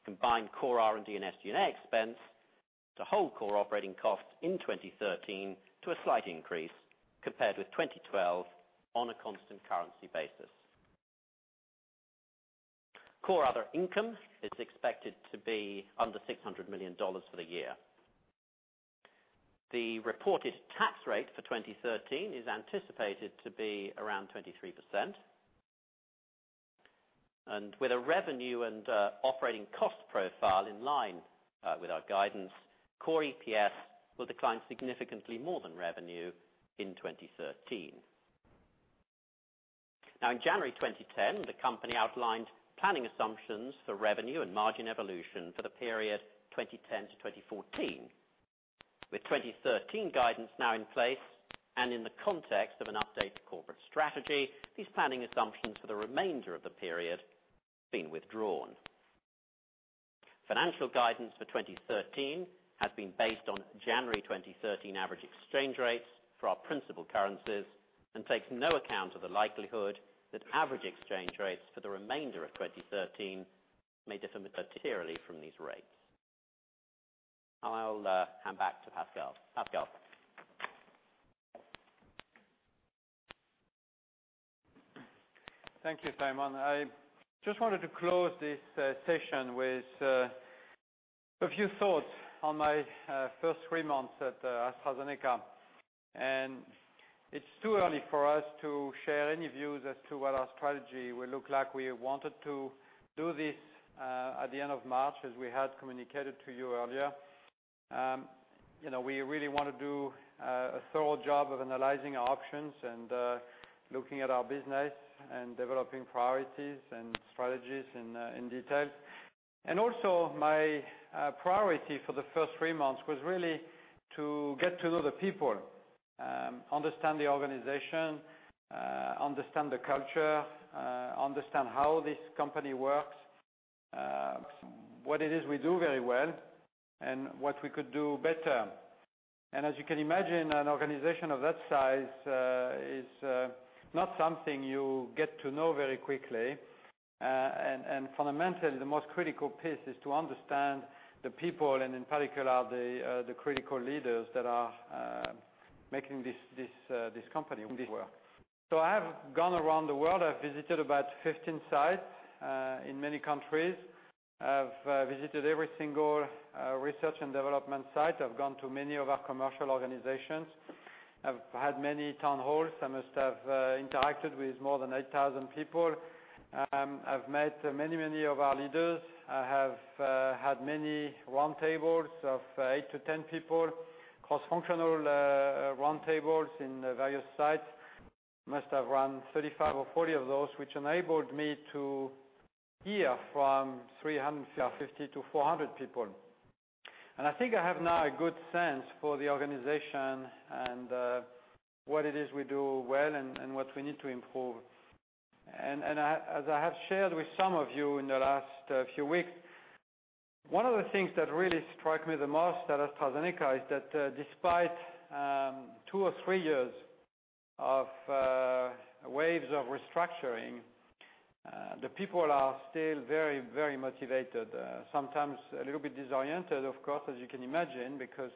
combine core R&D and SG&A expense, to hold core operating costs in 2013 to a slight increase compared with 2012 on a constant currency basis. Core other income is expected to be under GBP 600 million for the year. The reported tax rate for 2013 is anticipated to be around 23%. With a revenue and operating cost profile in line with our guidance, core EPS will decline significantly more than revenue in 2013. In January 2010, the company outlined planning assumptions for revenue and margin evolution for the period 2010 to 2014. With 2013 guidance now in place and in the context of an updated corporate strategy, these planning assumptions for the remainder of the period have been withdrawn. Financial guidance for 2013 has been based on January 2013 average exchange rates for our principal currencies and takes no account of the likelihood that average exchange rates for the remainder of 2013 may differ materially from these rates. I'll hand back to Pascal. Pascal? Thank you, Simon. I just wanted to close this session with a few thoughts on my first three months at AstraZeneca. It's too early for us to share any views as to what our strategy will look like. We wanted to do this at the end of March as we had communicated to you earlier. We really want to do a thorough job of analyzing our options and looking at our business and developing priorities and strategies in detail. My priority for the first three months was really to get to know the people, understand the organization, understand the culture, understand how this company works, what it is we do very well, and what we could do better. As you can imagine, an organization of that size is not something you get to know very quickly. Fundamentally, the most critical piece is to understand the people, and in particular, the critical leaders that are making this company work. I have gone around the world. I've visited about 15 sites in many countries. I've visited every single research and development site. I've gone to many of our commercial organizations. I've had many town halls. I must have interacted with more than 8,000 people. I've met many of our leaders. I have had many roundtables of 8 to 10 people, cross-functional roundtables in various sites. I must have run 35 or 40 of those, which enabled me to hear from 350 to 400 people. I think I have now a good sense for the organization and what it is we do well and what we need to improve. As I have shared with some of you in the last few weeks. One of the things that really strike me the most at AstraZeneca is that despite two or three years of waves of restructuring, the people are still very, very motivated. Sometimes a little bit disoriented, of course, as you can imagine, because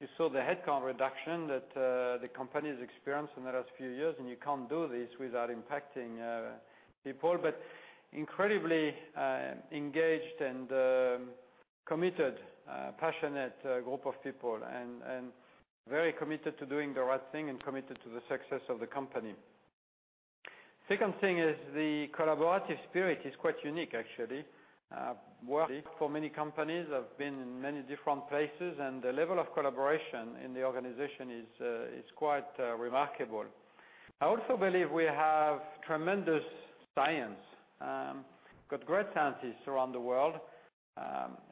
you saw the headcount reduction that the company has experienced in the last few years, and you can't do this without impacting people. Incredibly engaged and committed, passionate group of people, and very committed to doing the right thing and committed to the success of the company. Second thing is the collaborative spirit is quite unique, actually. I've worked for many companies. I've been in many different places, and the level of collaboration in the organization is quite remarkable. I also believe we have tremendous science. Got great scientists around the world.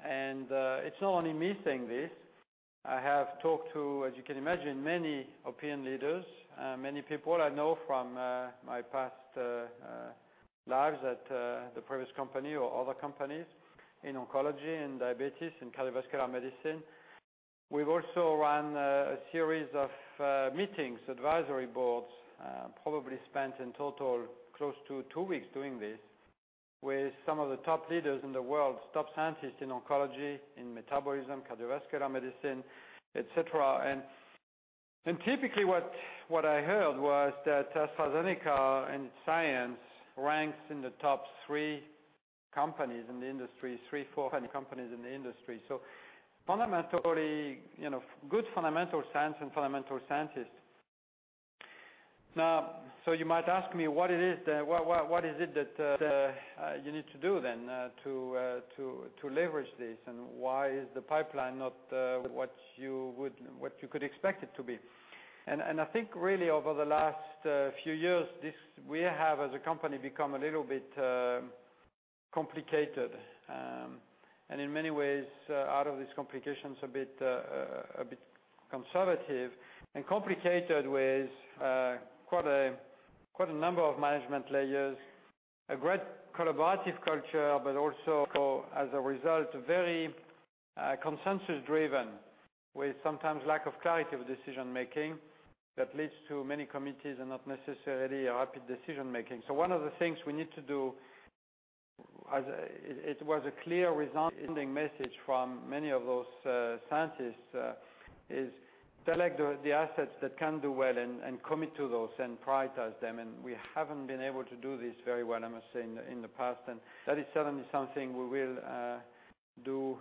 It's not only me saying this. I have talked to, as you can imagine, many opinion leaders, many people I know from my past lives at the previous company or other companies in oncology and diabetes and cardiovascular medicine. We've also run a series of meetings, advisory boards, probably spent in total close to two weeks doing this with some of the top leaders in the world, top scientists in oncology, in metabolism, cardiovascular medicine, et cetera. Typically what I heard was that AstraZeneca and science ranks in the top three companies in the industry, three, four companies in the industry. Good fundamental science and fundamental scientists. Now, you might ask me what is it that you need to do then to leverage this, and why is the pipeline not what you could expect it to be? I think really over the last few years, we have, as a company, become a little bit complicated, and in many ways out of these complications, a bit conservative and complicated with quite a number of management layers. A great collaborative culture, but also, as a result, very consensus driven with sometimes lack of clarity of decision making that leads to many committees and not necessarily rapid decision making. One of the things we need to do, it was a clear resounding message from many of those scientists, is select the assets that can do well and commit to those and prioritize them. We haven't been able to do this very well, I must say, in the past, and that is certainly something we will do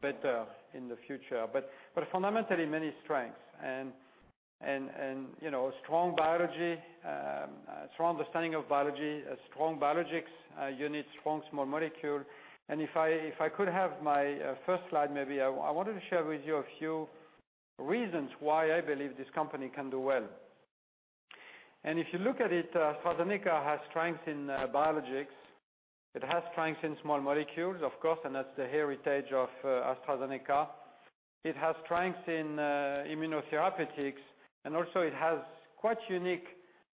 better in the future. Fundamentally, many strengths and strong biology, strong understanding of biology, a strong biologics unit, strong small molecule. If I could have my first slide, maybe I wanted to share with you a few reasons why I believe this company can do well. If you look at it, AstraZeneca has strength in biologics. It has strength in small molecules, of course, and that's the heritage of AstraZeneca. It has strength in immunotherapeutics, and also it has quite unique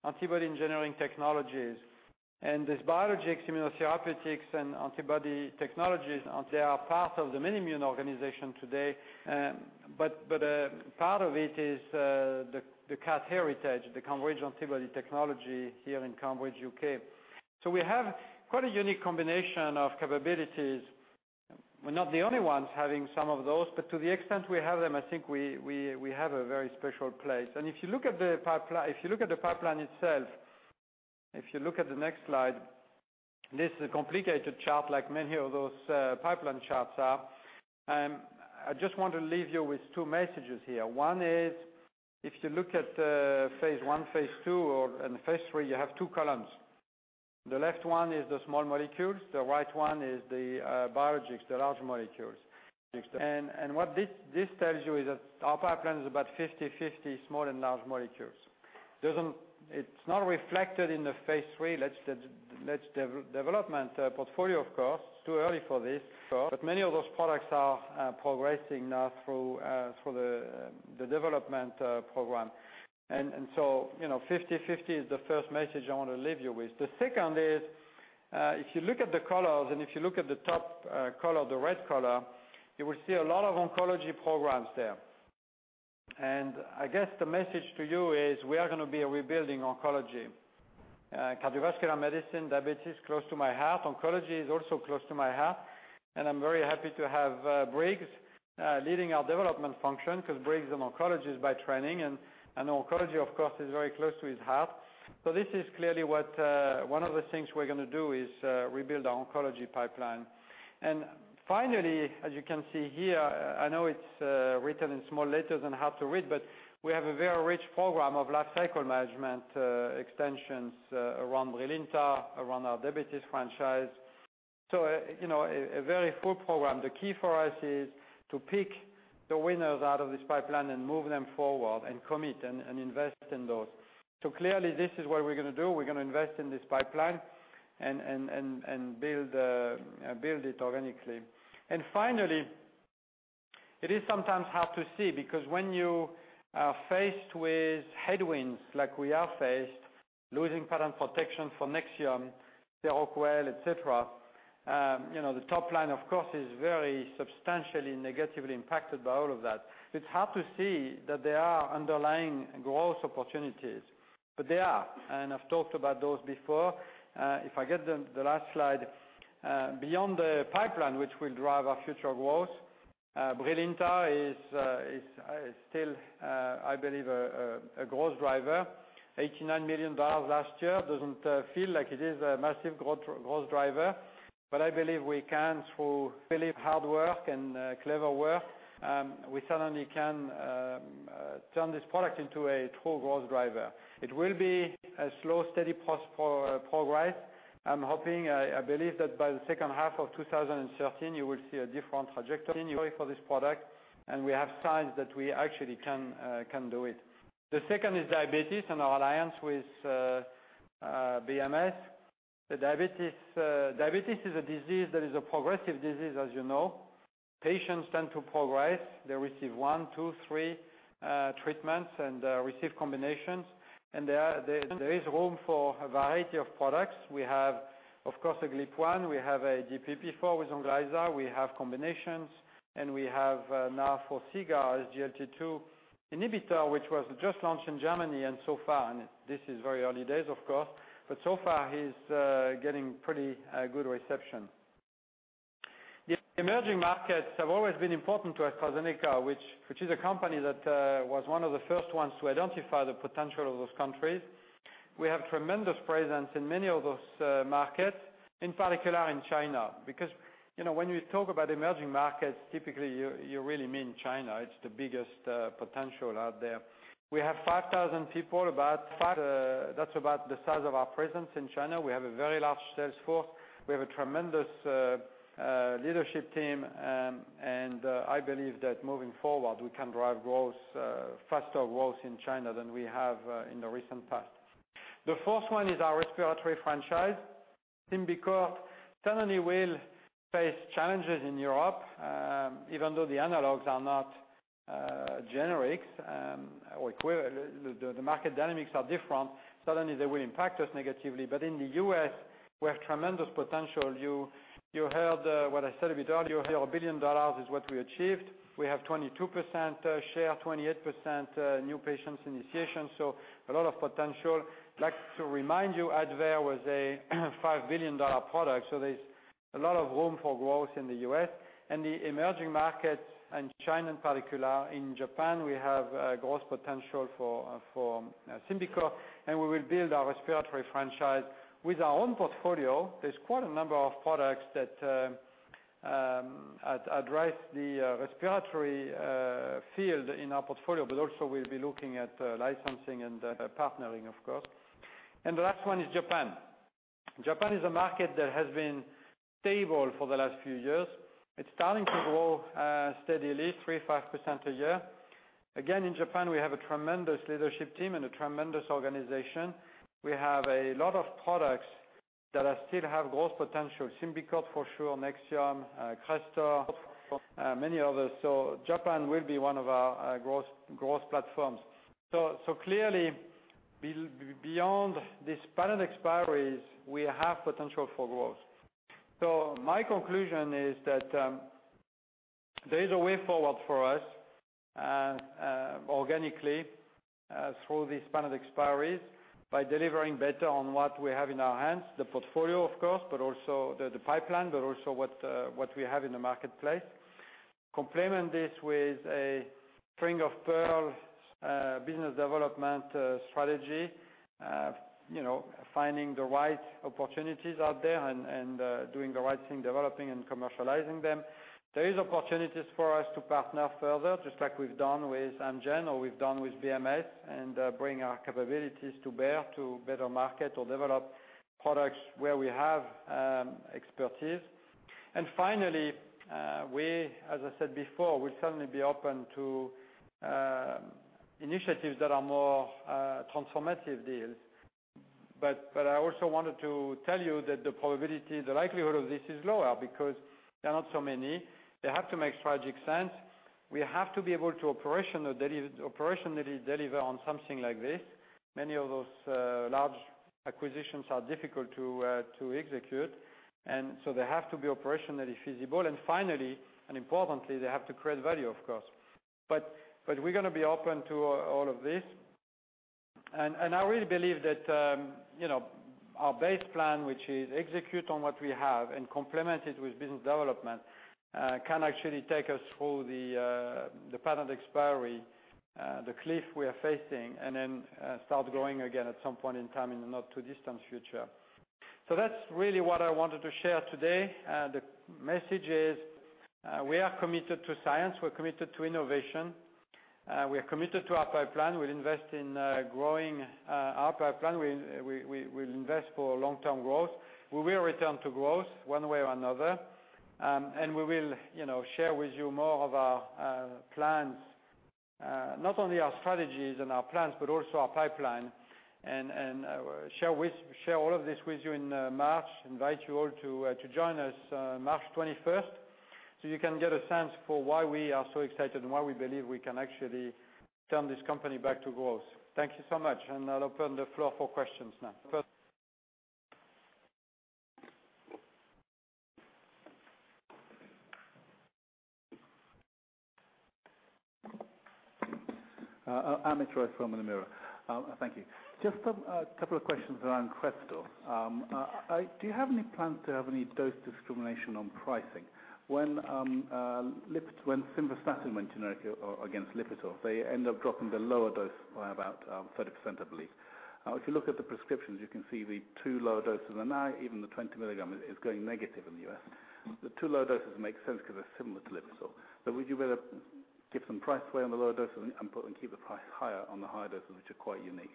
antibody engineering technologies. These biologics immunotherapeutics and antibody technologies, they are part of the MedImmune organization today. Part of it is the CAT heritage, the Cambridge Antibody Technology here in Cambridge, U.K. We have quite a unique combination of capabilities. We're not the only ones having some of those, but to the extent we have them, I think we have a very special place. If you look at the pipeline itself, if you look at the next slide, this is a complicated chart, like many of those pipeline charts are. I just want to leave you with two messages here. One is, if you look at phase I, phase II, and phase III, you have two columns. The left one is the small molecules. The right one is the biologics, the large molecules. What this tells you is that our pipeline is about 50/50 small and large molecules. It's not reflected in the phase III late development portfolio, of course. It's too early for this. Many of those products are progressing now through the development program. 50/50 is the first message I want to leave you with. The second is, if you look at the colors and if you look at the top color, the red color, you will see a lot of oncology programs there. I guess the message to you is we are going to be rebuilding oncology. Cardiovascular medicine, diabetes, close to my heart. Oncology is also close to my heart, and I'm very happy to have Briggs leading our development function because Briggs is an oncologist by training, and oncology, of course, is very close to his heart. This is clearly one of the things we're going to do is rebuild our oncology pipeline. Finally, as you can see here, I know it's written in small letters and hard to read, but we have a very rich program of life cycle management extensions around BRILINTA, around our diabetes franchise. A very full program. The key for us is to pick the winners out of this pipeline and move them forward and commit and invest in those. Clearly, this is what we're going to do. We're going to invest in this pipeline and build it organically. It is sometimes hard to see because when you are faced with headwinds like we are faced, losing patent protection for NEXIUM, SEROQUEL, et cetera, the top line, of course, is very substantially negatively impacted by all of that. It's hard to see that there are underlying growth opportunities, but there are, and I've talked about those before. If I get the last slide. Beyond the pipeline, which will drive our future growth, BRILINTA is still, I believe, a growth driver. GBP 89 million last year doesn't feel like it is a massive growth driver, but I believe we can, through really hard work and clever work, we certainly can turn this product into a true growth driver. It will be a slow, steady progress. I believe that by the second half of 2013, you will see a different trajectory for this product, and we have signs that we actually can do it. The second is diabetes and our alliance with BMS. Diabetes is a disease that is a progressive disease, as you know. Patients tend to progress. They receive one, two, three treatments and receive combinations. There is room for a variety of products. We have, of course, a GLP-1, we have a DPP-4 with ONGLYZA, we have combinations, and we have now Forxiga, SGLT2 inhibitor, which was just launched in Germany and so far, and this is very early days, of course, but so far is getting pretty good reception. The emerging markets have always been important to AstraZeneca, which is a company that was one of the first ones to identify the potential of those countries. We have tremendous presence in many of those markets, in particular in China, because when you talk about emerging markets, typically you really mean China. It's the biggest potential out there. We have 5,000 people, about five. That's about the size of our presence in China. We have a very large sales force. We have a tremendous leadership team, and I believe that moving forward, we can drive faster growth in China than we have in the recent past. The fourth one is our respiratory franchise. SYMBICORT certainly will face challenges in Europe, even though the analogs are not generics, or the market dynamics are different. Certainly, they will impact us negatively. But in the U.S., we have tremendous potential. You heard what I said a bit earlier. GBP 1 billion is what we achieved. We have 22% share, 28% new patients initiation, so a lot of potential. I'd like to remind you, ADVAIR was a GBP 5 billion product, so there's a lot of room for growth in the U.S. And the emerging markets in China in particular, in Japan, we have growth potential for SYMBICORT, and we will build our respiratory franchise with our own portfolio. There's quite a number of products that address the respiratory field in our portfolio, but also we'll be looking at licensing and partnering, of course. The last one is Japan. Japan is a market that has been stable for the last few years. It's starting to grow steadily, 3%, 5% a year. Again, in Japan, we have a tremendous leadership team and a tremendous organization. We have a lot of products that still have growth potential. SYMBICORT for sure, NEXIUM, CRESTOR, many others. So Japan will be one of our growth platforms. Clearly, beyond these patent expiries, we have potential for growth. My conclusion is that there is a way forward for us organically through these patent expiries by delivering better on what we have in our hands, the portfolio, of course, but also the pipeline, but also what we have in the marketplace. Complement this with a string of pearls business development strategy, finding the right opportunities out there and doing the right thing, developing and commercializing them. There is opportunities for us to partner further, just like we've done with Amgen or we've done with BMS, and bring our capabilities to bear to better market or develop products where we have expertise. Finally, as I said before, we'll certainly be open to initiatives that are more transformative deals. I also wanted to tell you that the probability, the likelihood of this is lower because there are not so many. They have to make strategic sense. We have to be able to operationally deliver on something like this. Many of those large acquisitions are difficult to execute, they have to be operationally feasible. Finally, and importantly, they have to create value, of course. We're going to be open to all of this. I really believe that our base plan, which is execute on what we have and complement it with business development, can actually take us through the patent expiry, the cliff we are facing, then start growing again at some point in time in the not-too-distant future. That's really what I wanted to share today. The message is we are committed to science. We're committed to innovation. We are committed to our pipeline. We'll invest in growing our pipeline. We'll invest for long-term growth. We will return to growth one way or another. We will share with you more of our plans Not only our strategies and our plans, but also our pipeline and share all of this with you in March. Invite you all to join us March 21st, you can get a sense for why we are so excited and why we believe we can actually turn this company back to growth. Thank you so much. I'll open the floor for questions now. Amit Roy from The Mirror. Thank you. Just a couple of questions around CRESTOR. Do you have any plans to have any dose discrimination on pricing? When simvastatin went generic against Lipitor, they end up dropping the lower dose by about 30%, I believe. If you look at the prescriptions, you can see the two lower doses are now, even the 20 mg is going negative in the U.S. The two lower doses make sense because they're similar to Lipitor. Would you rather give some price play on the lower dose and keep the price higher on the higher doses, which are quite unique?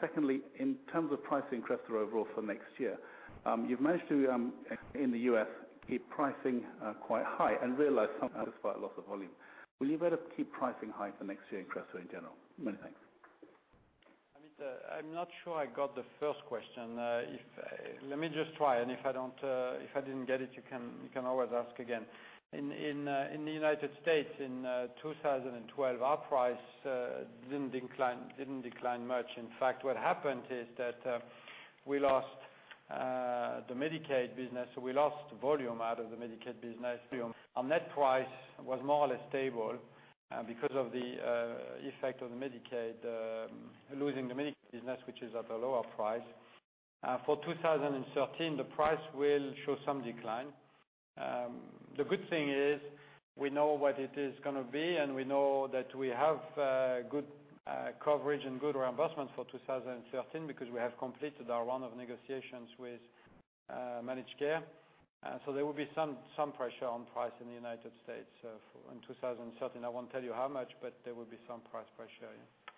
Secondly, in terms of pricing CRESTOR overall for next year, you've managed to, in the U.S., keep pricing quite high and realize some despite loss of volume. Will you be able to keep pricing high for next year in CRESTOR in general? Many thanks. Amit, I'm not sure I got the first question. Let me just try, and if I didn't get it, you can always ask again. In the U.S. in 2012, our price didn't decline much. In fact, what happened is that we lost the Medicaid business. We lost volume out of the Medicaid business. Our net price was more or less stable because of the effect of the Medicaid, losing the Medi business, which is at a lower price. For 2013, the price will show some decline. The good thing is we know what it is going to be, and we know that we have good coverage and good reimbursements for 2013 because we have completed our round of negotiations with managed care. There will be some pressure on price in the U.S. in 2013. I won't tell you how much, but there will be some price pressure, yeah.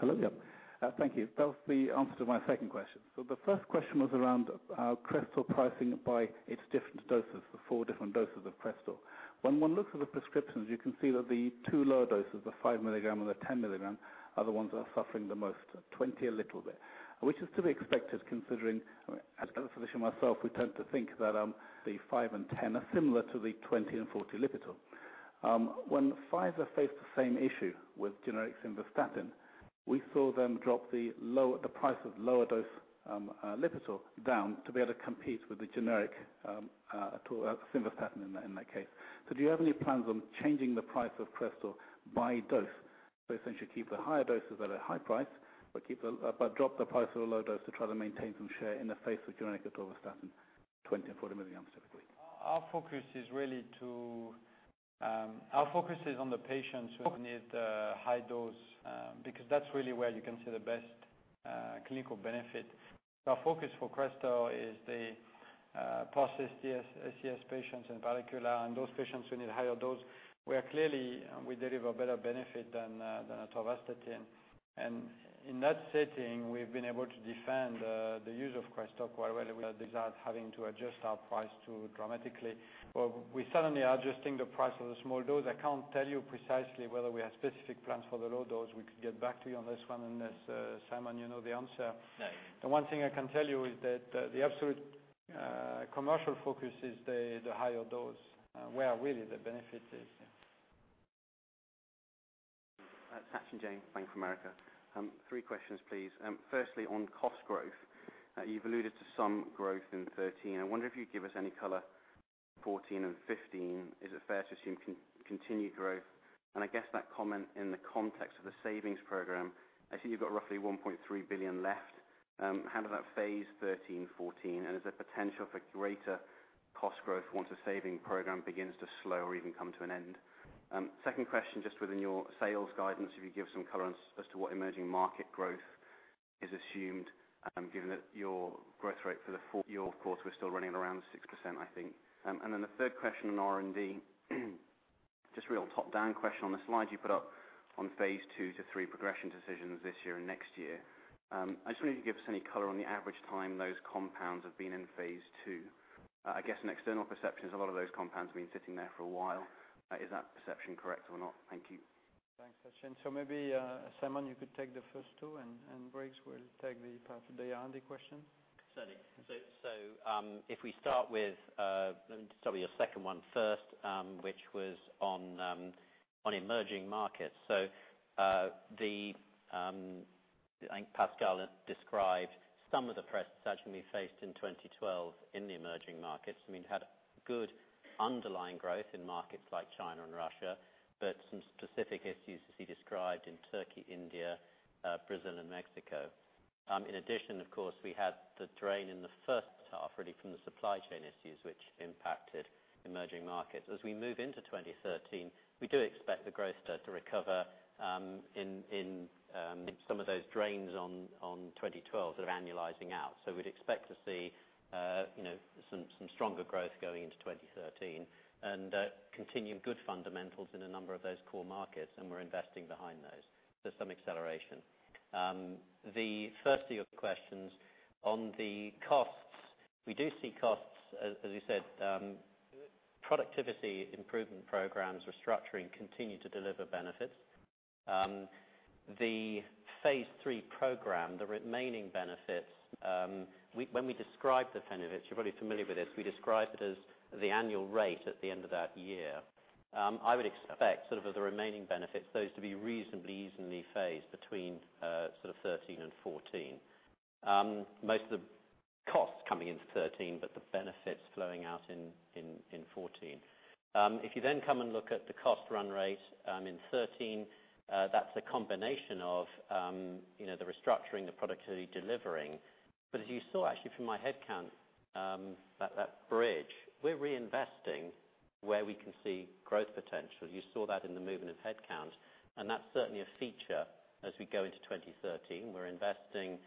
Hello. Yep. Thank you. That was the answer to my second question. The first question was around CRESTOR pricing by its different doses, the four different doses of CRESTOR. When one looks at the prescriptions, you can see that the two lower doses, the five milligram and the 10 milligram, are the ones that are suffering the most. 20 a little bit. Which is to be expected considering, as a physician myself, we tend to think that the five and 10 are similar to the 20 and 40 Lipitor. When Pfizer faced the same issue with generic simvastatin, we saw them drop the price of lower dose Lipitor down to be able to compete with the generic simvastatin in that case. Do you have any plans on changing the price of CRESTOR by dose, but essentially keep the higher doses at a high price, but drop the price of the low dose to try to maintain some share in the face of generic atorvastatin 20 and 40 milligrams, typically? Our focus is on the patients who need the high dose because that's really where you can see the best clinical benefit. Our focus for CRESTOR is the post-ACS patients, in particular, and those patients who need higher dose, where clearly we deliver better benefit than atorvastatin. In that setting, we've been able to defend the use of CRESTOR quite well without having to adjust our price too dramatically. We're certainly adjusting the price of the small dose. I can't tell you precisely whether we have specific plans for the low dose. We could get back to you on this one unless, Simon, you know the answer. No. The one thing I can tell you is that the absolute commercial focus is the higher dose, where really the benefit is. Yeah. Sachin Jain, Bank of America. Three questions, please. Firstly, on cost growth. You've alluded to some growth in 2013. I wonder if you'd give us any color 2014 and 2015. Is it fair to assume continued growth? I guess that comment in the context of the savings program. I see you've got roughly 1.3 billion left. How does that phase 2013, 2014, is there potential for greater cost growth once the saving program begins to slow or even come to an end? Second question, just within your sales guidance, if you'd give some color as to what emerging market growth is assumed, given that your growth rate for the full year, of course, we're still running around 6%, I think. The third question on R&D. Just real top-down question on the slide you put up on phase II to III progression decisions this year and next year. I just wonder if you'd give us any color on the average time those compounds have been in phase II. I guess an external perception is a lot of those compounds have been sitting there for a while. Is that perception correct or not? Thank you. Thanks, Sachin. Maybe, Simon, you could take the first two, and Briggs will take the R&D question. Certainly. If we start with your second one first, which was on emerging markets. I think Pascal described some of the press Sachin faced in 2012 in the emerging markets. We had good underlying growth in markets like China and Russia, but some specific issues, as he described, in Turkey, India, Brazil, and Mexico. In addition, of course, we had the drain in the first half, really from the supply chain issues, which impacted emerging markets. As we move into 2013, we do expect the growth to recover in some of those drains on 2012 sort of annualizing out. We'd expect to see some stronger growth going into 2013 and continued good fundamentals in a number of those core markets, and we're investing behind those. Some acceleration. The first of your questions on the cost. We do see costs, as you said. Productivity improvement programs restructuring continue to deliver benefits. The phase III program, the remaining benefits, when we describe the benefits, you're probably familiar with this, we describe it as the annual rate at the end of that year. I would expect sort of the remaining benefits, those to be reasonably easily phased between sort of 2013 and 2014. Most of the costs coming into 2013, but the benefits flowing out in 2014. If you come and look at the cost run rate in 2013, that's a combination of the restructuring, the productivity delivering. As you saw actually from my headcount, that bridge, we're reinvesting where we can see growth potential. You saw that in the movement of headcount, and that's certainly a feature as we go into 2013. We're investing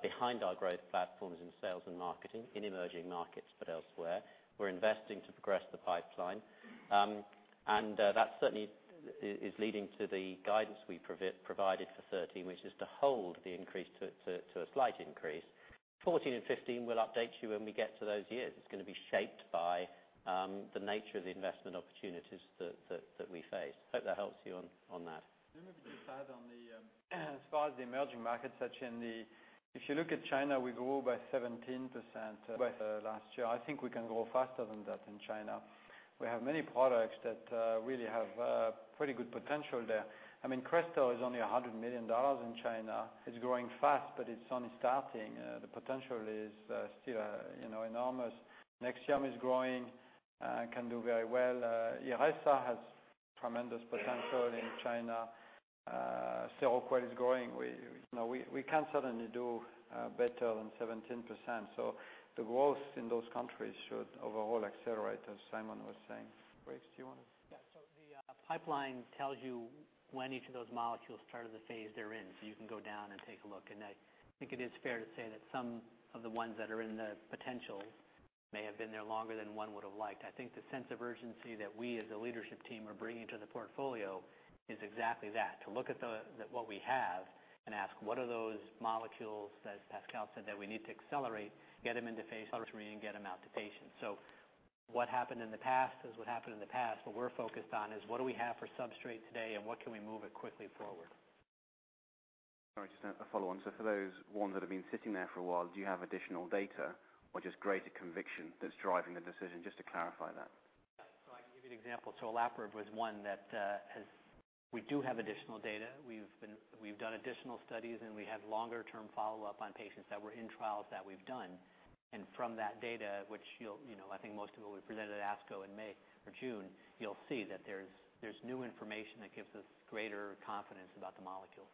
behind our growth platforms in sales and marketing, in emerging markets, but elsewhere. We're investing to progress the pipeline. That certainly is leading to the guidance we provided for 2013, which is to hold the increase to a slight increase. 2014 and 2015, we'll update you when we get to those years. It's going to be shaped by the nature of the investment opportunities that we face. Hope that helps you on that. Let me just add on the, as far as the emerging markets, if you look at China, we grew by 17% by the last year. I think we can grow faster than that in China. We have many products that really have pretty good potential there. I mean, CRESTOR is only GBP 100 million in China. It's growing fast, but it's only starting. The potential is still enormous. NEXIUM is growing, can do very well. Yervoy has tremendous potential in China. SEROQUEL is growing. We can certainly do better than 17%. The growth in those countries should overall accelerate, as Simon was saying. Briggs, do you want to? Yeah. The pipeline tells you when each of those molecules started the phase they're in. You can go down and take a look. I think it is fair to say that some of the ones that are in the potential may have been there longer than one would have liked. I think the sense of urgency that we as a leadership team are bringing to the portfolio is exactly that, to look at what we have and ask what are those molecules, as Pascal said, that we need to accelerate, get them into phase III and get them out to patients. What happened in the past is what happened in the past. What we're focused on is what do we have for substrate today and what can we move it quickly forward. Sorry, just a follow on. For those one that have been sitting there for a while, do you have additional data or just greater conviction that's driving the decision? Just to clarify that. I can give you an example. olaparib was one that we do have additional data. We've done additional studies and we have longer term follow-up on patients that were in trials that we've done. From that data, which I think most of it we presented at ASCO in May or June, you'll see that there's new information that gives us greater confidence about the molecule.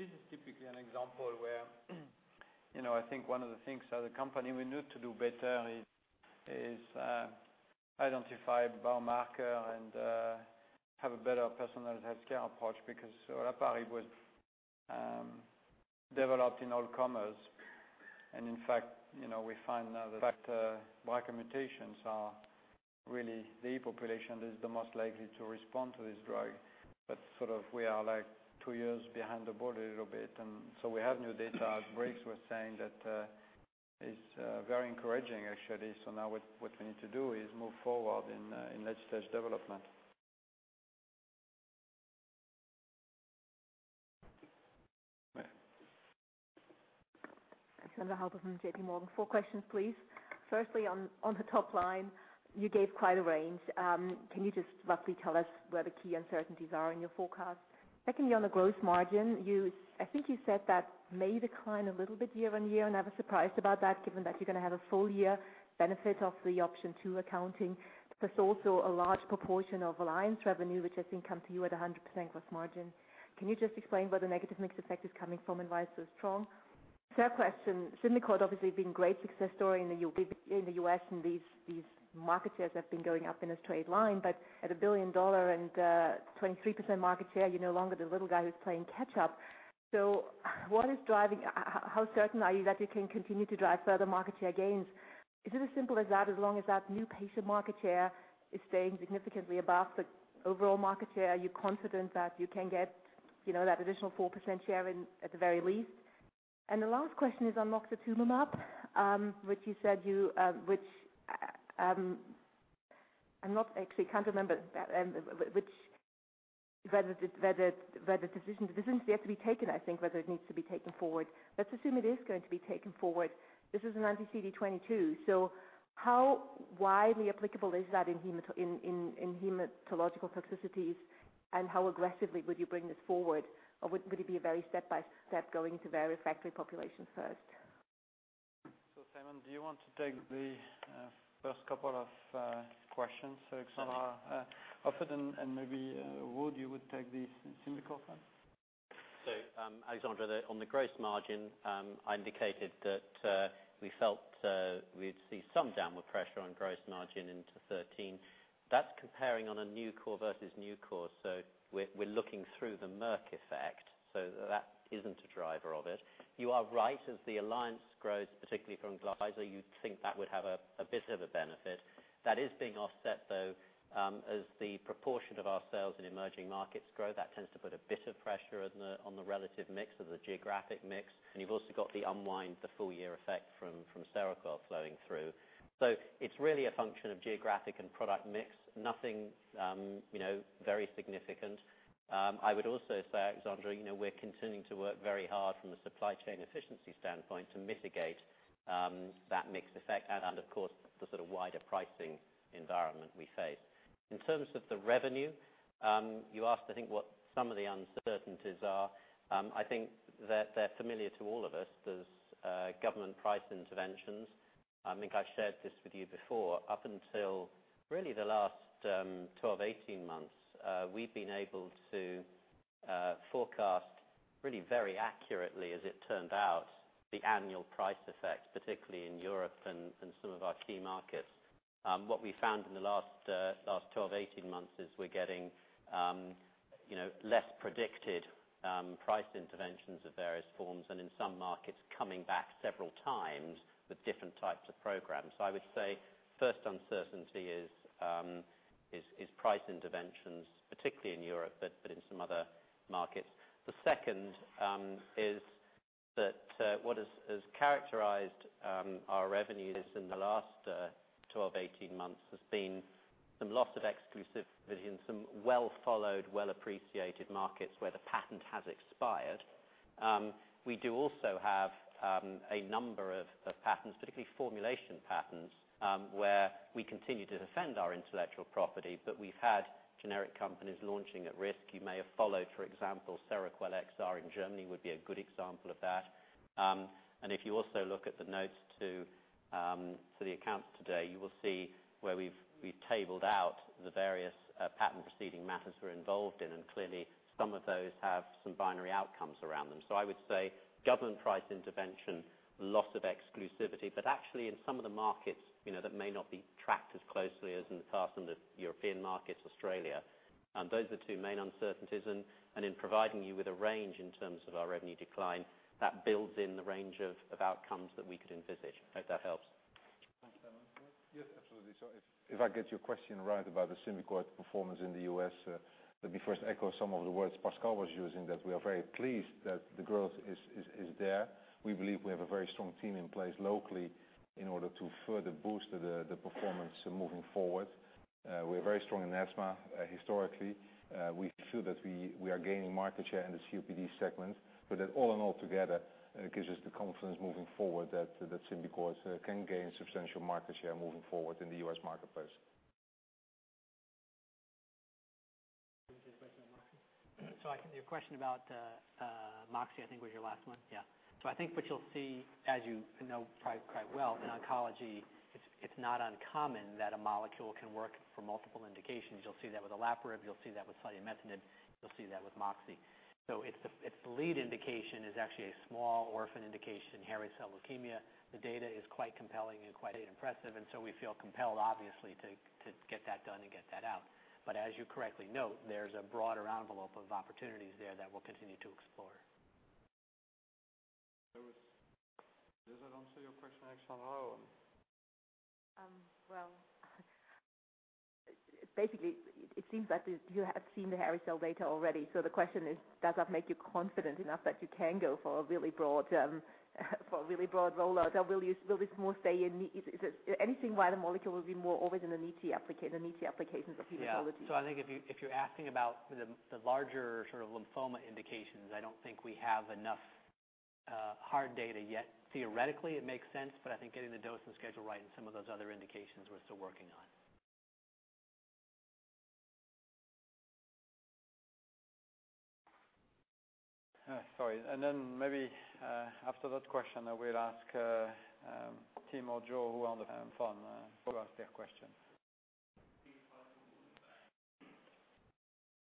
This is typically an example where I think one of the things as a company we need to do better is identify biomarker and have a better personalized health care approach because olaparib was developed in all comers. In fact, we find now that BRCA mutations are really the population that is the most likely to respond to this drug. Sort of we are two years behind the ball a little bit. We have new data, as Briggs was saying, that is very encouraging actually. Now what we need to do is move forward in next stage development. Alexandra Hauber from JPMorgan. Four questions, please. Firstly, on the top line, you gave quite a range. Can you just roughly tell us where the key uncertainties are in your forecast? Secondly, on the gross margin, I think you said that may decline a little bit year-over-year and I was surprised about that given that you're going to have a full year benefit of the option 2 accounting. There's also a large proportion of alliance revenue which I think comes to you at 100% gross margin. Can you just explain where the negative mix effect is coming from and why it's so strong? Third question, Cimzia code obviously been great success story in the U.S. and these market shares have been going up in a straight line, but at a GBP 1 billion and 23% market share, you're no longer the little guy who's playing catch up. How certain are you that you can continue to drive further market share gains? Is it as simple as that as long as that new patient market share is staying significantly above the overall market share, are you confident that you can get that additional 4% share at the very least? The last question is on moxetumomab, which you said I actually can't remember whether the decision has to be taken I think, whether it needs to be taken forward. Let's assume it is going to be taken forward. This is an anti-CD22, how widely applicable is that in hematological toxicities and how aggressively would you bring this forward? Would it be a very step-by-step going to very refractory populations first? Simon, do you want to take the first couple of questions, Alexandra, over and maybe Ruud you would take the Cimzia code then? Alexandra Hauber, on the gross margin, I indicated that we felt we'd see some downward pressure on gross margin into 2013. That's comparing on a new core versus new core. We're looking through the Merck effect so that isn't a driver of it. You are right, as the alliance grows, particularly from Glaxo, you'd think that would have a bit of a benefit. That is being offset though, as the proportion of our sales in emerging markets grow, that tends to put a bit of pressure on the relative mix of the geographic mix. You've also got the unwind, the full year effect from Seroquel flowing through. It's really a function of geographic and product mix, nothing very significant. I would also say, Alexandra Hauber, we're continuing to work very hard from a supply chain efficiency standpoint to mitigate that mix effect and of course, the sort of wider pricing environment we face. In terms of the revenue, you asked, I think, what some of the uncertainties are. I think that they're familiar to all of us. There's government price interventions. I think I shared this with you before. Up until really the last 12-18 months, we've been able to forecast really very accurately, as it turned out, the annual price effect, particularly in Europe and some of our key markets. What we found in the last 12-18 months is we're getting less predicted price interventions of various forms, and in some markets, coming back several times with different types of programs. I would say first uncertainty is price interventions, particularly in Europe, but in some other markets. The second is that what has characterized our revenues in the last 12-18 months has been some loss of exclusivity in some well-followed, well-appreciated markets where the patent has expired. We do also have a number of patents, particularly formulation patents, where we continue to defend our intellectual property, but we've had generic companies launching at risk. You may have followed, for example, SEROQUEL XR in Germany, would be a good example of that. If you also look at the notes to the accounts today, you will see where we've tabled out the various patent proceeding matters we're involved in. Clearly, some of those have some binary outcomes around them. I would say government price intervention, loss of exclusivity, but actually in some of the markets that may not be tracked as closely as in the past in the European markets, Australia. Those are the two main uncertainties. In providing you with a range in terms of our revenue decline, that builds in the range of outcomes that we could envisage. Hope that helps. Thanks. Simon? Yes, absolutely. If I get your question right about the Symbicort performance in the U.S., let me first echo some of the words Pascal was using, that we are very pleased that the growth is there. We believe we have a very strong team in place locally in order to further boost the performance moving forward. We are very strong in asthma, historically. We feel that we are gaining market share in the COPD segment, but that all in all together, it gives us the confidence moving forward that Symbicort can gain substantial market share moving forward in the U.S. marketplace. Can you take the question on moxetumomab? I think your question about moxetumomab, I think was your last one. Yeah. I think what you'll see, as you know probably quite well, in oncology, it's not uncommon that a molecule can work for multiple indications. You'll see that with olaparib, you'll see that with selumetinib, you'll see that with moxetumomab. Its lead indication is actually a small orphan indication, hairy cell leukemia. The data is quite compelling and quite impressive, and we feel compelled, obviously, to get that done and get that out. As you correctly note, there's a broader envelope of opportunities there that we'll continue to explore. Louis, I don't see your question on XFL. Basically, it seems that you have seen the hairy cell data already. The question is, does that make you confident enough that you can go for a really broad rollout, or is there anything why the molecule will be more always in the niche applications of hematology? Yeah. I think if you're asking about the larger sort of lymphoma indications, I don't think we have enough hard data yet. Theoretically, it makes sense. I think getting the dose and schedule right in some of those other indications, we're still working on. Sorry. Maybe after that question, I will ask Tim or Jo, who are on the phone, to ask their question.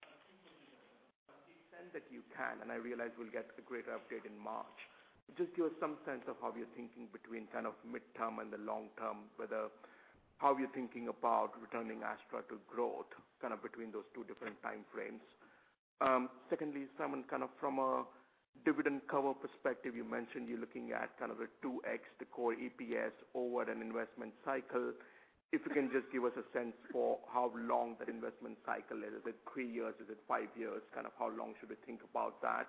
To the extent that you can, I realize we'll get a greater update in March. Just give us some sense of how you're thinking between kind of midterm and the long term, how you're thinking about returning Astra to growth, kind of between those two different time frames. Secondly, Simon, kind of from a dividend cover perspective, you mentioned you're looking at kind of a 2x the core EPS over an investment cycle. If you can just give us a sense for how long that investment cycle is. Is it three years? Is it five years? Kind of how long should we think about that?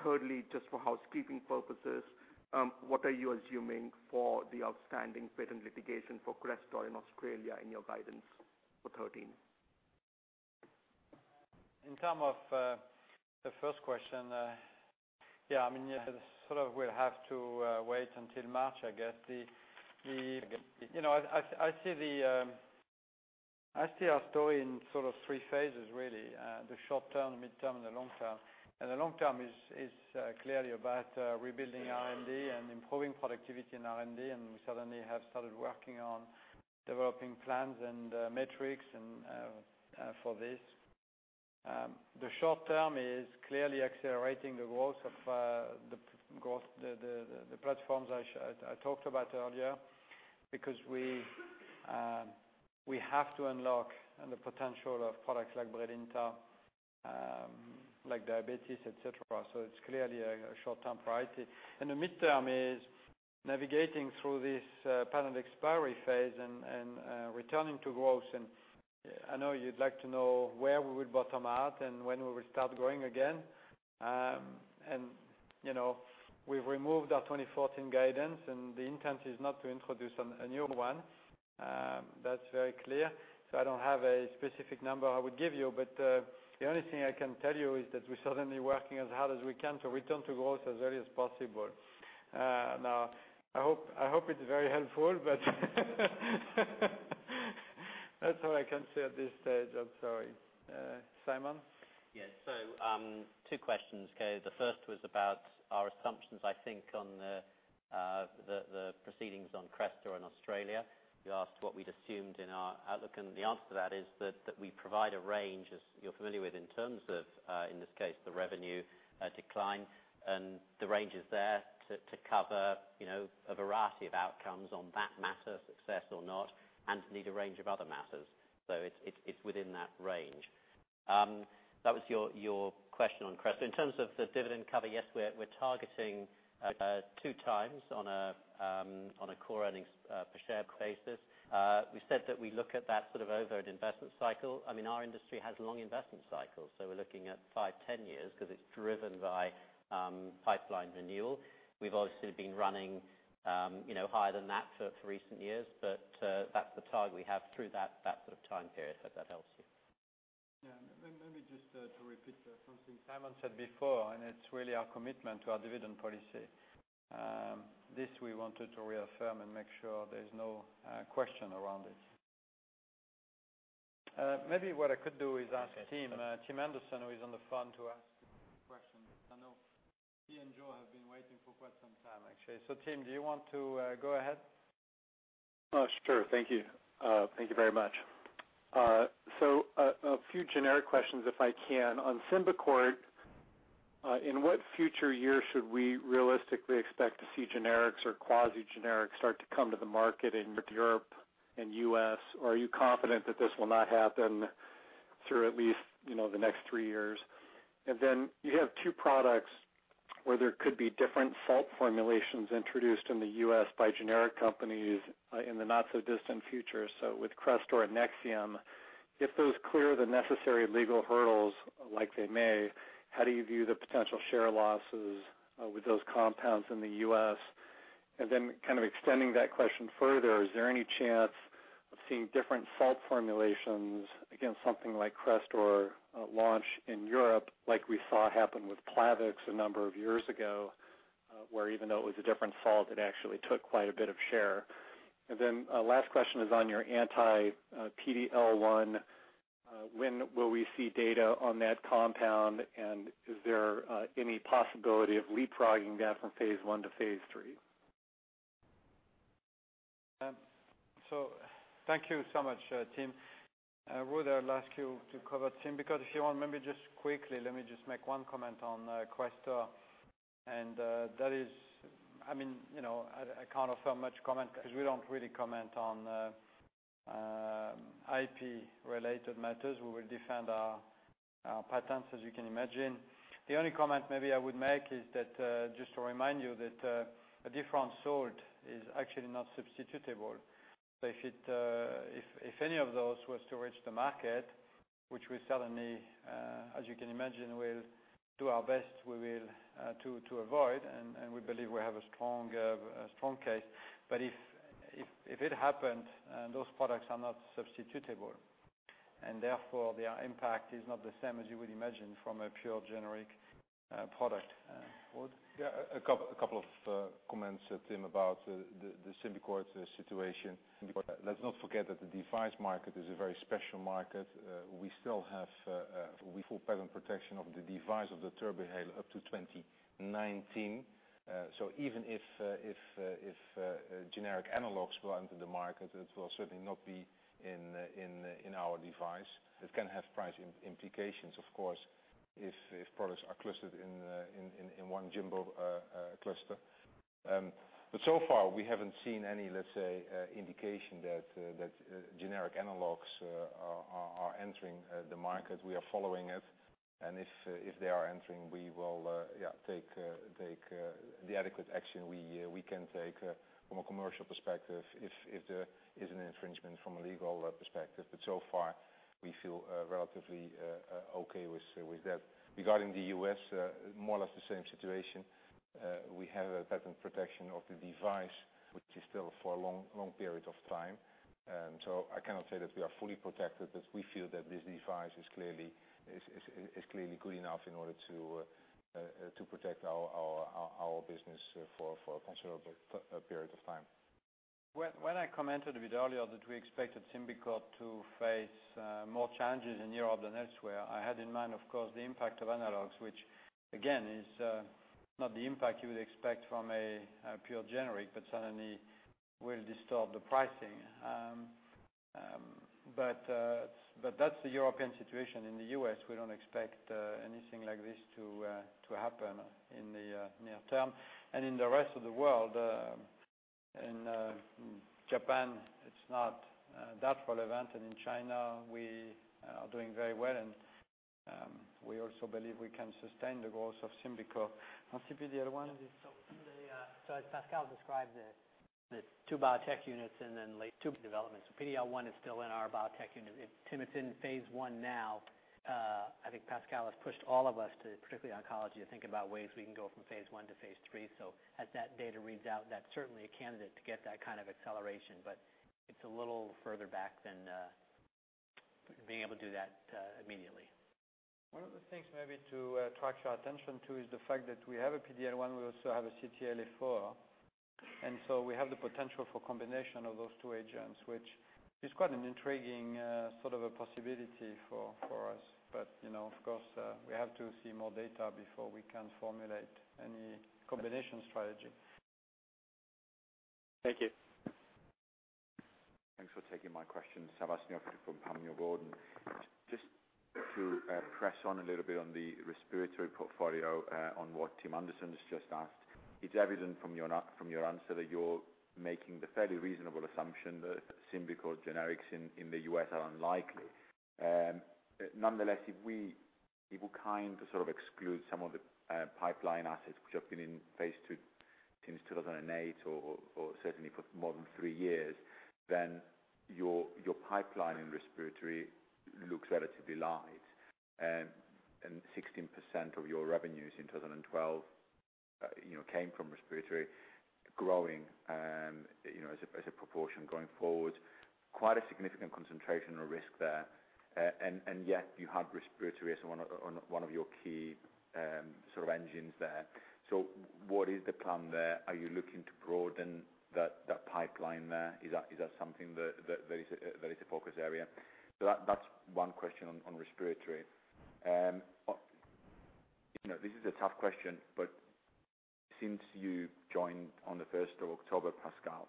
Thirdly, just for housekeeping purposes, what are you assuming for the outstanding patent litigation for Crestor in Australia in your guidance for 2013? In terms of the first question, yeah, I mean, sort of we'll have to wait until March, I guess. I see our story in sort of three phases, really. The short term, the midterm, and the long term. The long term is clearly about rebuilding R&D and improving productivity in R&D, and we certainly have started working on developing plans and metrics for this. The short term is clearly accelerating the growth of the platforms I talked about earlier because we have to unlock the potential of products like Brilinta, like diabetes, et cetera. It's clearly a short-term priority. The midterm is navigating through this patent expiry phase and returning to growth. I know you'd like to know where we will bottom out and when we will start growing again. We've removed our 2014 guidance. The intent is not to introduce a new one. That's very clear. I don't have a specific number I would give you, but the only thing I can tell you is that we're certainly working as hard as we can to return to growth as early as possible. I hope it's very helpful, but that's all I can say at this stage. I'm sorry. Simon? Yes. Two questions, Gaëtan. The first was about our assumptions, I think, on the proceedings on Crestor in Australia. You asked what we'd assumed in our outlook. The answer to that is that we provide a range, as you're familiar with, in terms of, in this case, the revenue decline. The range is there to cover a variety of outcomes on that matter, success or not, and to meet a range of other matters. It's within that range. That was your question on Crestor. In terms of the dividend cover, yes, we're targeting two times on a core earnings per share basis. We said that we look at that sort of over an investment cycle. Our industry has long investment cycles. We're looking at five, 10 years because it's driven by pipeline renewal. We've obviously been running higher than that for recent years. That's the target we have through that sort of time period. Hope that helps you. Yeah. Maybe just to repeat something Simon said before, and it's really our commitment to our dividend policy. This we wanted to reaffirm and make sure there's no question around it. Maybe what I could do is ask Tim Anderson, who is on the phone, to ask questions. I know he and Jo have been waiting for quite some time, actually. Tim, do you want to go ahead? Sure. Thank you. Thank you very much. A few generic questions, if I can. On SYMBICORT, in what future year should we realistically expect to see generics or quasi-generics start to come to the market in Europe and U.S., or are you confident that this will not happen through at least the next three years? You have two products where there could be different salt formulations introduced in the U.S. by generic companies in the not-so-distant future. With CRESTOR and NEXIUM, if those clear the necessary legal hurdles, like they may, how do you view the potential share losses with those compounds in the U.S.? Kind of extending that question further, is there any chance of seeing different salt formulations against something like CRESTOR launch in Europe, like we saw happen with Plavix a number of years ago? Where even though it was a different salt, it actually took quite a bit of share. Last question is on your anti-PD-L1. When will we see data on that compound? Is there any possibility of leapfrogging that from phase I to phase III? Thank you so much, Tim Anderson. Ruud Dobber, I'll ask you to cover Tim Anderson, because if you want, maybe just quickly let me just make one comment on CRESTOR. That is, I cannot offer much comment because we don't really comment on IP-related matters. We will defend our patents, as you can imagine. The only comment maybe I would make is just to remind you that a different sort is actually not substitutable. If any of those was to reach the market, which we certainly, as you can imagine, will do our best we will to avoid, and we believe we have a strong case. If it happened and those products are not substitutable, and therefore their impact is not the same as you would imagine from a pure generic product. Ruud Dobber? A couple of comments, Tim Anderson, about the SYMBICORT situation. Let's not forget that the device market is a very special market. We still have full patent protection of the device of the Turbuhaler up to 2019. Even if generic analogs go onto the market, it will certainly not be in our device. It can have price implications, of course, if products are clustered in one general cluster. So far we haven't seen any, let's say, indication that generic analogs are entering the market. We are following it. If they are entering, we will take the adequate action we can take from a commercial perspective if there is an infringement from a legal perspective. So far we feel relatively okay with that. Regarding the U.S., more or less the same situation. We have a patent protection of the device, which is still for a long period of time. I cannot say that we are fully protected, but we feel that this device is clearly good enough in order to protect our business for a considerable period of time. When I commented a bit earlier that we expected SYMBICORT to face more challenges in Europe than elsewhere, I had in mind, of course, the impact of analogs. Which again, is not the impact you would expect from a pure generic, but certainly will disturb the pricing. That's the European situation. In the U.S., we don't expect anything like this to happen in the near term. In the rest of the world. In Japan, it's not that relevant. In China, we are doing very well and we also believe we can sustain the goals of SYMBICORT. On PD-L1. As Pascal described the two biotech units and then late two developments. PD-L1 is still in our biotech unit. Tim, it's in phase I now. I think Pascal has pushed all of us to, particularly oncology, to think about ways we can go from phase I to phase III. As that data reads out, that's certainly a candidate to get that kind of acceleration. It's a little further back than being able to do that immediately. One of the things maybe to attract your attention to is the fact that we have a PD-L1, we also have a CTLA-4, and so we have the potential for combination of those two agents, which is quite an intriguing sort of a possibility for us. Of course, we have to see more data before we can formulate any combination strategy. Thank you. Thanks for taking my question. Sebastian Opitz from Panmure Gordon. Just to press on a little bit on the respiratory portfolio on what Tim Anderson's just asked. It's evident from your answer that you're making the fairly reasonable assumption that Symbicort generics in the U.S. are unlikely. Nonetheless, if we're kind to sort of exclude some of the pipeline assets which have been in phase II since 2008, or certainly for more than three years, then your pipeline in respiratory looks relatively light. 16% of your revenues in 2012 came from respiratory growing as a proportion going forward. Quite a significant concentration or risk there, and yet you had respiratory as one of your key sort of engines there. What is the plan there? Are you looking to broaden that pipeline there? Is that something that is a focus area? That's one question on respiratory. This is a tough question, but since you joined on the 1st of October, Pascal,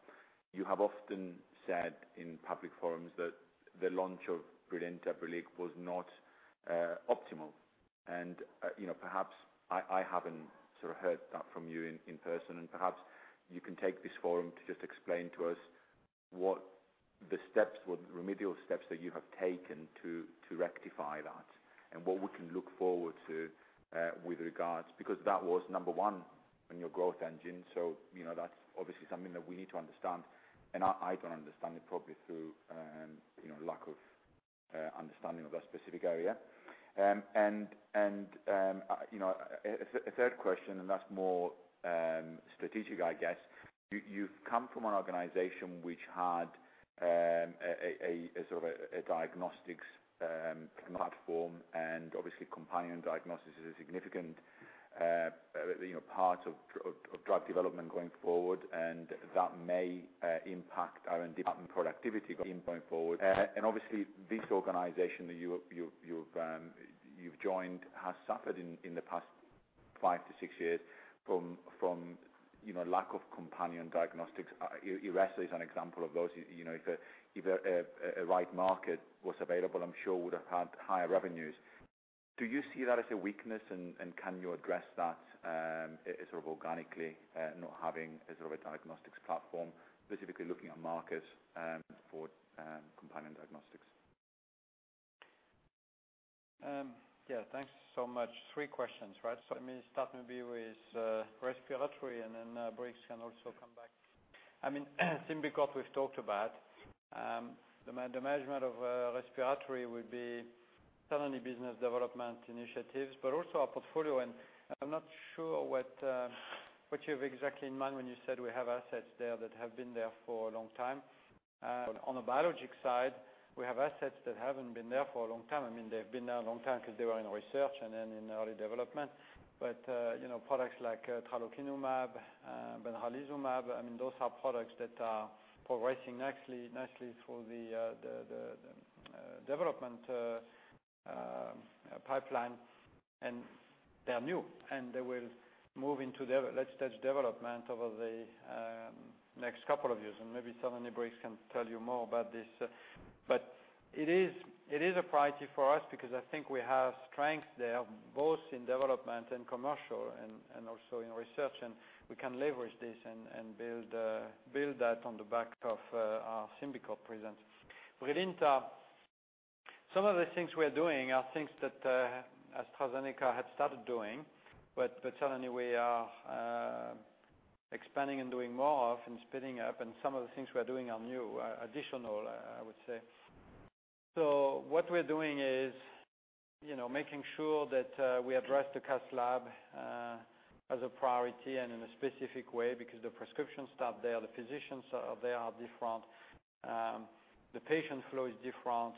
you have often said in public forums that the launch of BRILINTA/Brilique was not optimal. Perhaps I haven't sort of heard that from you in person, and perhaps you can take this forum to just explain to us what the remedial steps that you have taken to rectify that, and what we can look forward to with regards, because that was number one on your growth engine. That's obviously something that we need to understand, and I don't understand it probably through lack of understanding of that specific area. A third question, that's more strategic, I guess. You've come from an organization which had a sort of a diagnostics platform, and obviously companion diagnostics is a significant part of drug development going forward, and that may impact R&D department productivity going forward. Obviously, this organization that you've joined has suffered in the past five to six years from lack of companion diagnostics. Iressa is an example of those. If a right market was available, I'm sure would have had higher revenues. Do you see that as a weakness, and can you address that sort of organically not having a sort of a diagnostics platform, specifically looking at markets for companion diagnostics? Thanks so much. Three questions, right? Let me start maybe with respiratory and then Briggs can also come back. SYMBICORT we've talked about. The management of respiratory would be certainly business development initiatives, but also our portfolio. I'm not sure what you have exactly in mind when you said we have assets there that have been there for a long time. On the biologic side, we have assets that haven't been there for a long time. They've been there a long time because they were in research and then in early development. But products like tralokinumab, benralizumab, those are products that are progressing nicely through the development pipeline, and they are new and they will move into late-stage development over the next couple of years. Maybe Seleni Briggs can tell you more about this. It is a priority for us because I think we have strength there both in development and commercial and also in research, and we can leverage this and build that on the back of our SYMBICORT presence. BRILINTA, some of the things we're doing are things that AstraZeneca had started doing. Certainly we are expanding and doing more of and speeding up, and some of the things we're doing are new, additional, I would say. What we're doing is making sure that we address the cast lab as a priority and in a specific way because the prescription staff there, the physicians there are different. The patient flow is different.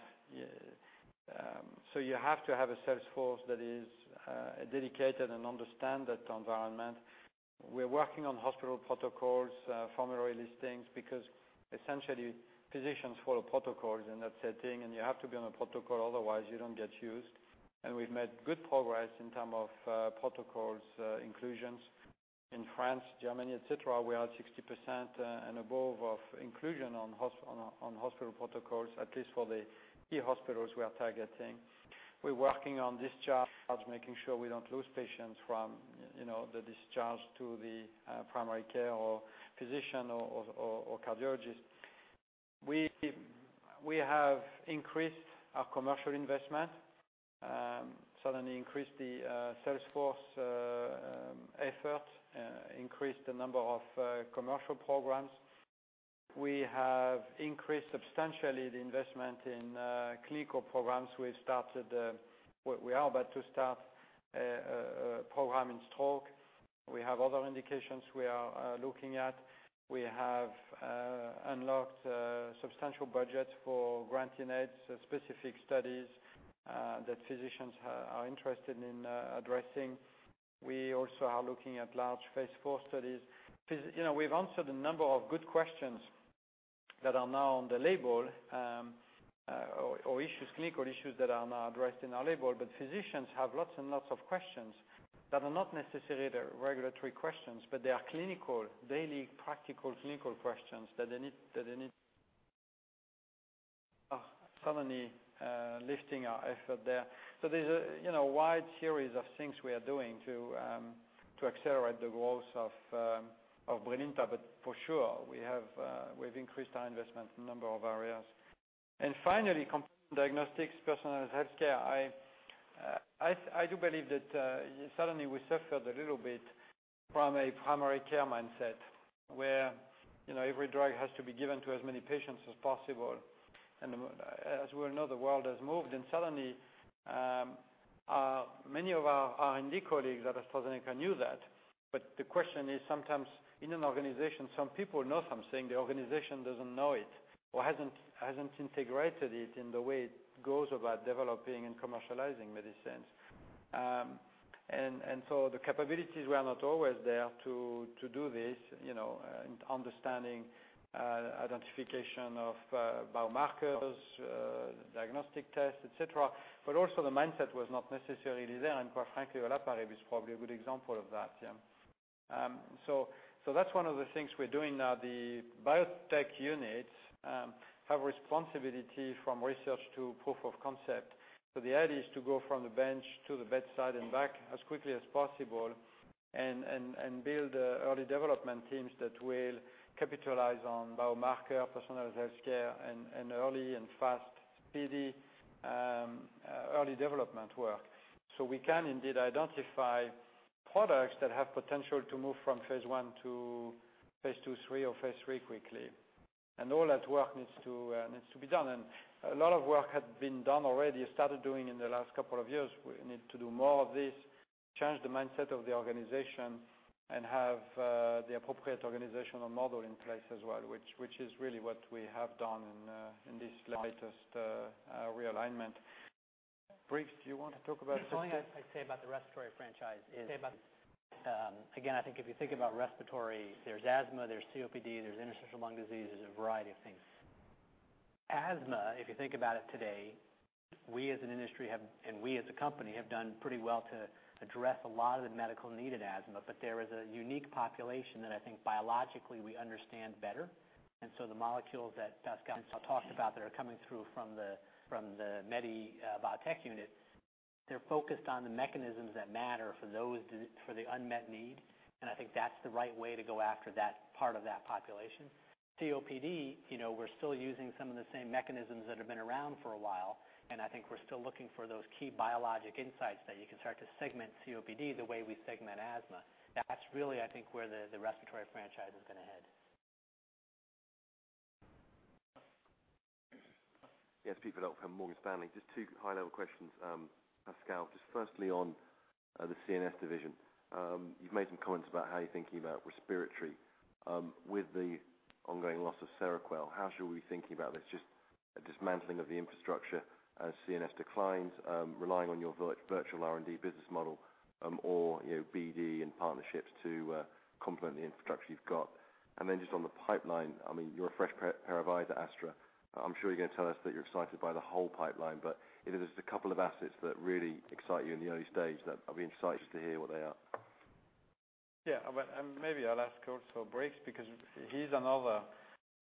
So you have to have a sales force that is dedicated and understand that environment. We're working on hospital protocols formulary listings because essentially physicians follow protocols in that setting and you have to be on a protocol otherwise you don't get used. We've made good progress in terms of protocol inclusions in France, Germany, et cetera. We are at 60% and above of inclusion on hospital protocols, at least for the key hospitals we are targeting. We're working on discharge, making sure we don't lose patients from the discharge to the primary care or physician or cardiologist. We have increased our commercial investment, substantially increased the sales force effort, increased the number of commercial programs. We have increased substantially the investment in clinical programs. We are about to start a program in stroke. We have other indications we are looking at. We have unlocked substantial budgets for grants-in-aid, specific studies that physicians are interested in addressing. We also are looking at large phase IV studies. Physicians have lots and lots of questions that are not necessarily the regulatory questions, but they are clinical, daily, practical, clinical questions that they need substantially lifting our effort there. There's a wide series of things we are doing to accelerate the growth of Brilinta, but for sure, we've increased our investment in a number of areas. Finally, companion diagnostics, personalized healthcare. I do believe that suddenly we suffered a little bit from a primary care mindset where every drug has to be given to as many patients as possible. As we know, the world has moved, and suddenly, many of our R&D colleagues at AstraZeneca knew that. The question is sometimes in an organization, some people know something, the organization doesn't know it or hasn't integrated it in the way it goes about developing and commercializing medicines. The capabilities were not always there to do this, understanding identification of biomarkers, diagnostic tests, et cetera, but also the mindset was not necessarily there. Quite frankly, Olaparib is probably a good example of that. That's one of the things we're doing now. The biotech units have responsibility from research to proof of concept. The idea is to go from the bench to the bedside and back as quickly as possible and build early development teams that will capitalize on biomarker, personalized healthcare, and early and fast, speedy early development work. We can indeed identify products that have potential to move from phase I to phase II, III or phase III quickly. All that work needs to be done. A lot of work had been done already, started doing in the last couple of years. We need to do more of this, change the mindset of the organization, and have the appropriate organizational model in place as well, which is really what we have done in this latest realignment. Briggs, do you want to talk about this? The only thing I'd say about the respiratory franchise is, again, I think if you think about respiratory, there's asthma, there's COPD, there's interstitial lung disease, there's a variety of things. Asthma, if you think about it today, we as an industry have, and we as a company have done pretty well to address a lot of the medical need in asthma. There is a unique population that I think biologically we understand better. The molecules that Pascal talked about that are coming through from the MedImmune biotech unit, they're focused on the mechanisms that matter for the unmet need. I think that's the right way to go after that part of that population. COPD, we're still using some of the same mechanisms that have been around for a while. I think we're still looking for those key biologic insights that you can start to segment COPD the way we segment asthma. That's really, I think, where the respiratory franchise is going to head. Yes, Peter Verdult from Morgan Stanley. Just two high-level questions. Pascal, just firstly on the CNS division. You've made some comments about how you're thinking about respiratory. With the ongoing loss of Seroquel, how should we be thinking about this? Just a dismantling of the infrastructure as CNS declines, relying on your virtual R&D business model or BD and partnerships to complement the infrastructure you've got? Just on the pipeline, I mean, you're a fresh pair of eyes at AstraZeneca. I'm sure you're going to tell us that you're excited by the whole pipeline. If there's a couple of assets that really excite you in the early stage, I'll be interested to hear what they are. Yeah. Well maybe I'll ask also Briggs, because he's another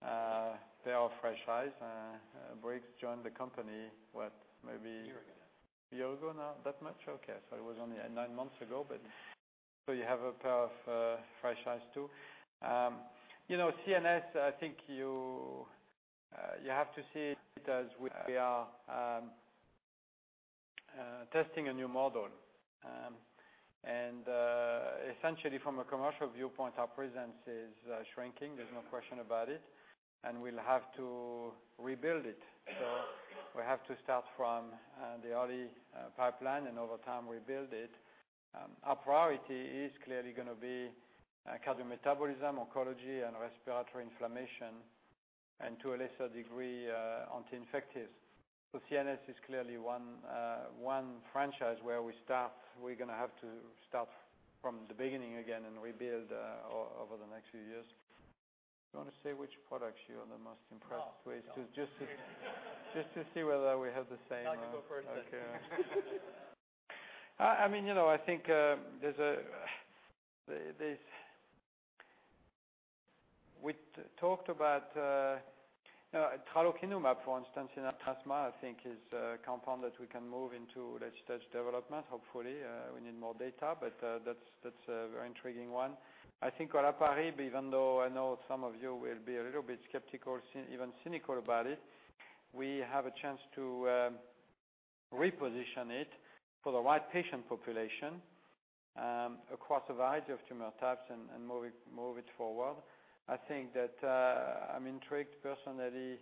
pair of fresh eyes. Briggs joined the company, what, maybe- A year ago A year ago now. That much? Okay. It was only nine months ago, but still you have a pair of fresh eyes, too. CNS, I think you have to see it as we are testing a new model. Essentially from a commercial viewpoint, our presence is shrinking. There's no question about it, and we'll have to rebuild it. We have to start from the early pipeline and over time rebuild it. Our priority is clearly going to be cardiometabolism, oncology, and respiratory inflammation, and to a lesser degree, anti-infectives. CNS is clearly one franchise where we're going to have to start from the beginning again and rebuild over the next few years. Do you want to say which products you are the most impressed with? No. Just to see whether we have the same. I'll let you go first then. Okay. I think We talked about tremelimumab, for instance, in asthma, I think is a compound that we can move into late-stage development. Hopefully, we need more data, but that's a very intriguing one. I think olaparib, even though I know some of you will be a little bit skeptical, even cynical about it, we have a chance to reposition it for the right patient population across a variety of tumor types and move it forward. I think that I'm intrigued personally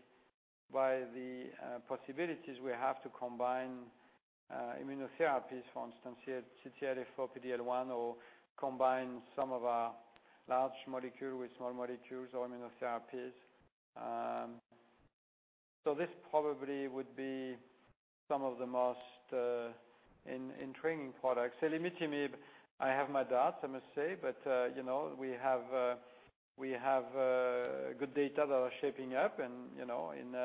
by the possibilities we have to combine immunotherapies, for instance, CTLA-4, PD-L1 or combine some of our large molecule with small molecules or immunotherapies. This probably would be some of the most intriguing products. Selumetinib, I have my doubts, I must say, but we have good data that are shaping up and in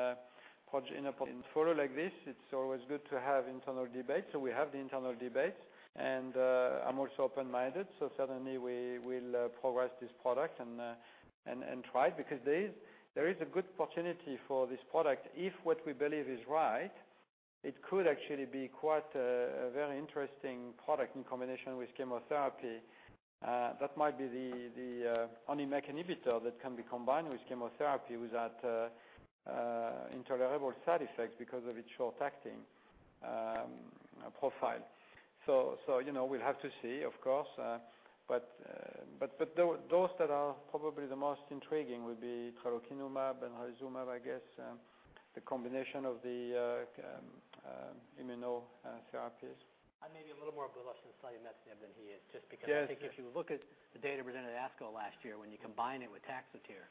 a portfolio like this, it's always good to have internal debates. We have the internal debates, and I'm also open-minded. Certainly, we'll progress this product and try it because there is a good opportunity for this product. If what we believe is right, it could actually be quite a very interesting product in combination with chemotherapy. That might be the only MEK inhibitor that can be combined with chemotherapy without intolerable side effects because of its short-acting profile. We'll have to see, of course. Those that are probably the most intriguing would be tremelimumab and atezolizumab, I guess, the combination of the immunotherapies. I may be a little more bullish on selumetinib than he is, just because- Yes I think if you look at the data presented at ASCO last year, when you combine it with TAXOTERE,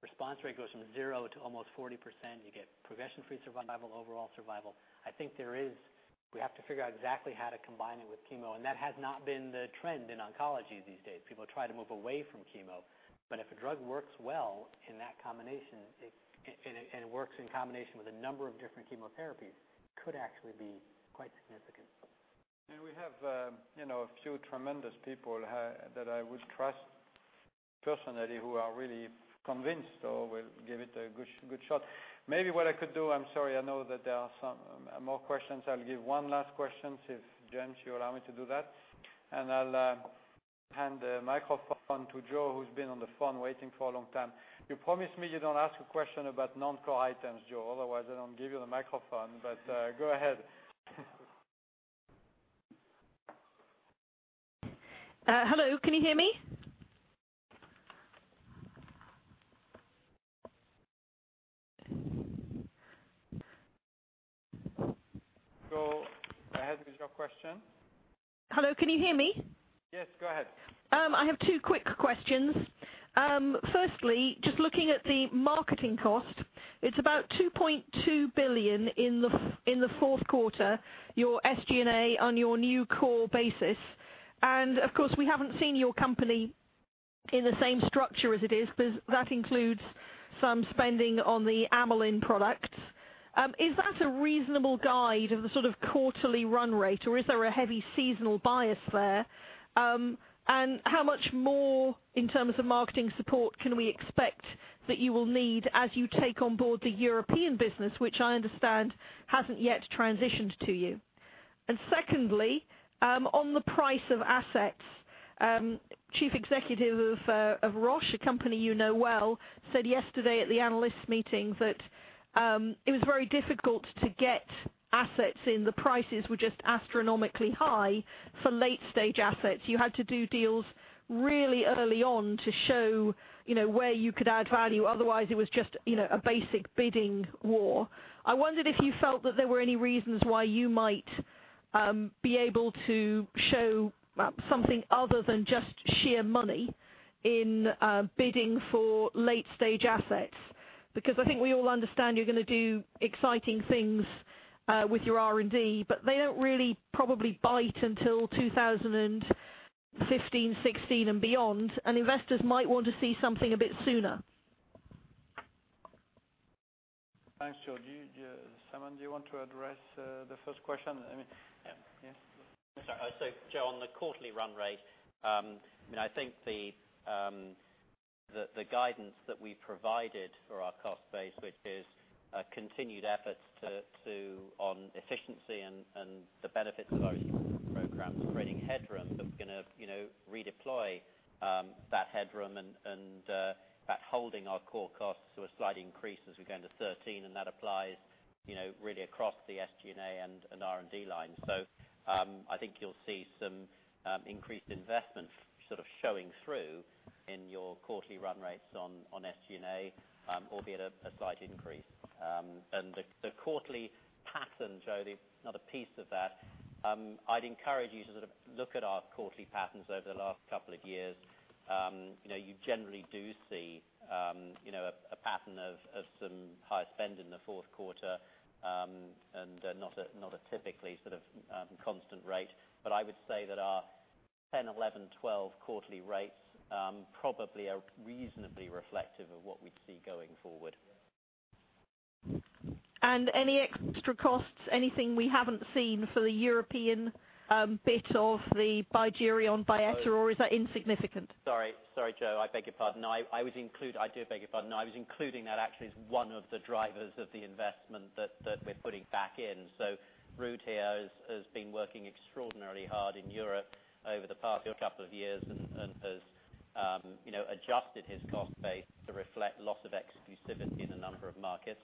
response rate goes from 0 to almost 40%. You get progression-free survival, overall survival. I think we have to figure out exactly how to combine it with chemo, and that has not been the trend in oncology these days. People try to move away from chemo. If a drug works well in that combination, and it works in combination with a number of different chemotherapies, it could actually be quite significant. We have a few tremendous people that I would trust personally who are really convinced or will give it a good shot. Maybe what I could do, I'm sorry, I know that there are some more questions. I'll give one last question, if James, you allow me to do that, and I'll hand the microphone to Jo, who's been on the phone waiting for a long time. You promise me you don't ask a question about non-core items, Jo, otherwise I don't give you the microphone. Go ahead. Hello, can you hear me? Jo, go ahead with your question. Hello, can you hear me? Yes, go ahead. I have two quick questions. Firstly, just looking at the marketing cost, it's about 2.2 billion in the fourth quarter, your SG&A on your new core basis. Of course, we haven't seen your company in the same structure as it is because that includes some spending on the Amylin products. Is that a reasonable guide of the sort of quarterly run rate, or is there a heavy seasonal bias there? How much more in terms of marketing support can we expect that you will need as you take on board the European business, which I understand hasn't yet transitioned to you? Secondly, on the price of assets, chief executive of Roche, a company you know well, said yesterday at the analyst meeting that it was very difficult to get assets in. The prices were just astronomically high for late-stage assets. You had to do deals really early on to show where you could add value. Otherwise, it was just a basic bidding war. I wondered if you felt that there were any reasons why you might be able to show something other than just sheer money in bidding for late-stage assets. I think we all understand you're going to do exciting things with your R&D, but they don't really probably bite until 2015, 2016, and beyond. Investors might want to see something a bit sooner. Thanks, Jo. Simon, do you want to address the first question? Yeah. Yeah. I'm sorry. Jo, on the quarterly run rate, I think the guidance that we provided for our cost base, which is continued efforts on efficiency and the benefits of our programs creating headroom that we're going to redeploy that headroom and that holding our core costs to a slight increase as we go into 2013, that applies really across the SG&A and R&D lines. I think you'll see some increased investment sort of showing through in your quarterly run rates on SG&A, albeit a slight increase. The quarterly pattern, Jo, the other piece of that, I'd encourage you to sort of look at our quarterly patterns over the last couple of years. You generally do see a pattern of some higher spend in the fourth quarter and not a typically sort of constant rate. I would say that our 2010, 2011, 2012 quarterly rates probably are reasonably reflective of what we'd see going forward. Any extra costs, anything we haven't seen for the European bit of the Bigerion, Biakher, or is that insignificant? Sorry, Jo, I beg your pardon. I do beg your pardon. I was including that actually as one of the drivers of the investment that we're putting back in. Ruud here has been working extraordinarily hard in Europe over the past couple of years and has adjusted his cost base to reflect loss of exclusivity in a number of markets.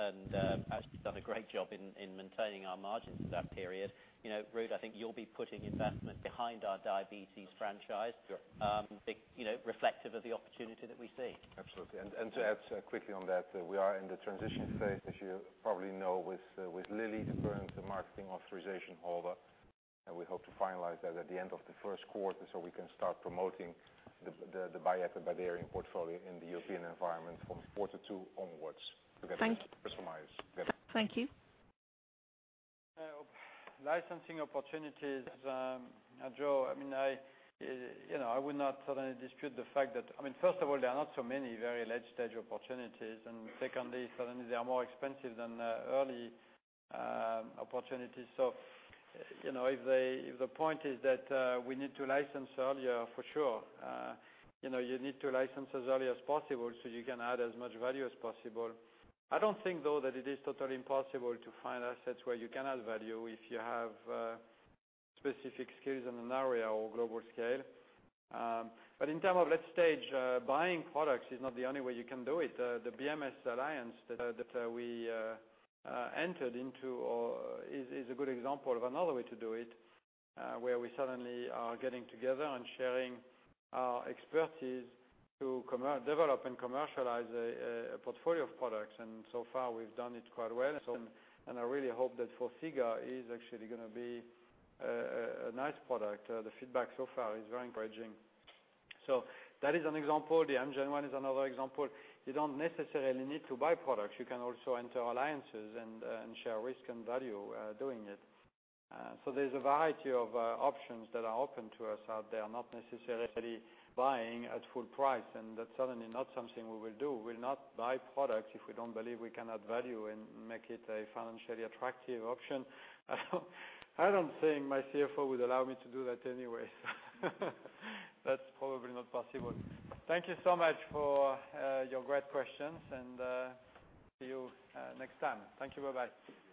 Actually done a great job in maintaining our margins through that period. Ruud, I think you'll be putting investment behind our diabetes franchise. Sure reflective of the opportunity that we see. Absolutely. To add quickly on that, we are in the transition phase, as you probably know, with Lilly, the current marketing authorization holder, and we hope to finalize that at the end of the first quarter so we can start promoting the BYETTA, BYDUREON portfolio in the European environment from quarter two onwards. Thank- Personalize. Yeah. Thank you. Licensing opportunities, Jo, I would not certainly dispute the fact that. First of all, there are not so many very late-stage opportunities, secondly, certainly, they are more expensive than the early opportunities. If the point is that we need to license earlier, for sure. You need to license as early as possible so you can add as much value as possible. I don't think, though, that it is totally impossible to find assets where you can add value if you have specific skills in an area or global scale. In terms of late stage, buying products is not the only way you can do it. The BMS alliance that we entered into is a good example of another way to do it, where we certainly are getting together and sharing our expertise to develop and commercialize a portfolio of products, so far we've done it quite well. I really hope that Forxiga is actually going to be a nice product. The feedback so far is very encouraging. That is an example. The Amgen one is another example. You don't necessarily need to buy products. You can also enter alliances and share risk and value doing it. There's a variety of options that are open to us out there, not necessarily buying at full price, and that's certainly not something we will do. We'll not buy products if we don't believe we can add value and make it a financially attractive option. I don't think my CFO would allow me to do that anyway. That's probably not possible. Thank you so much for your great questions and see you next time. Thank you. Bye-bye.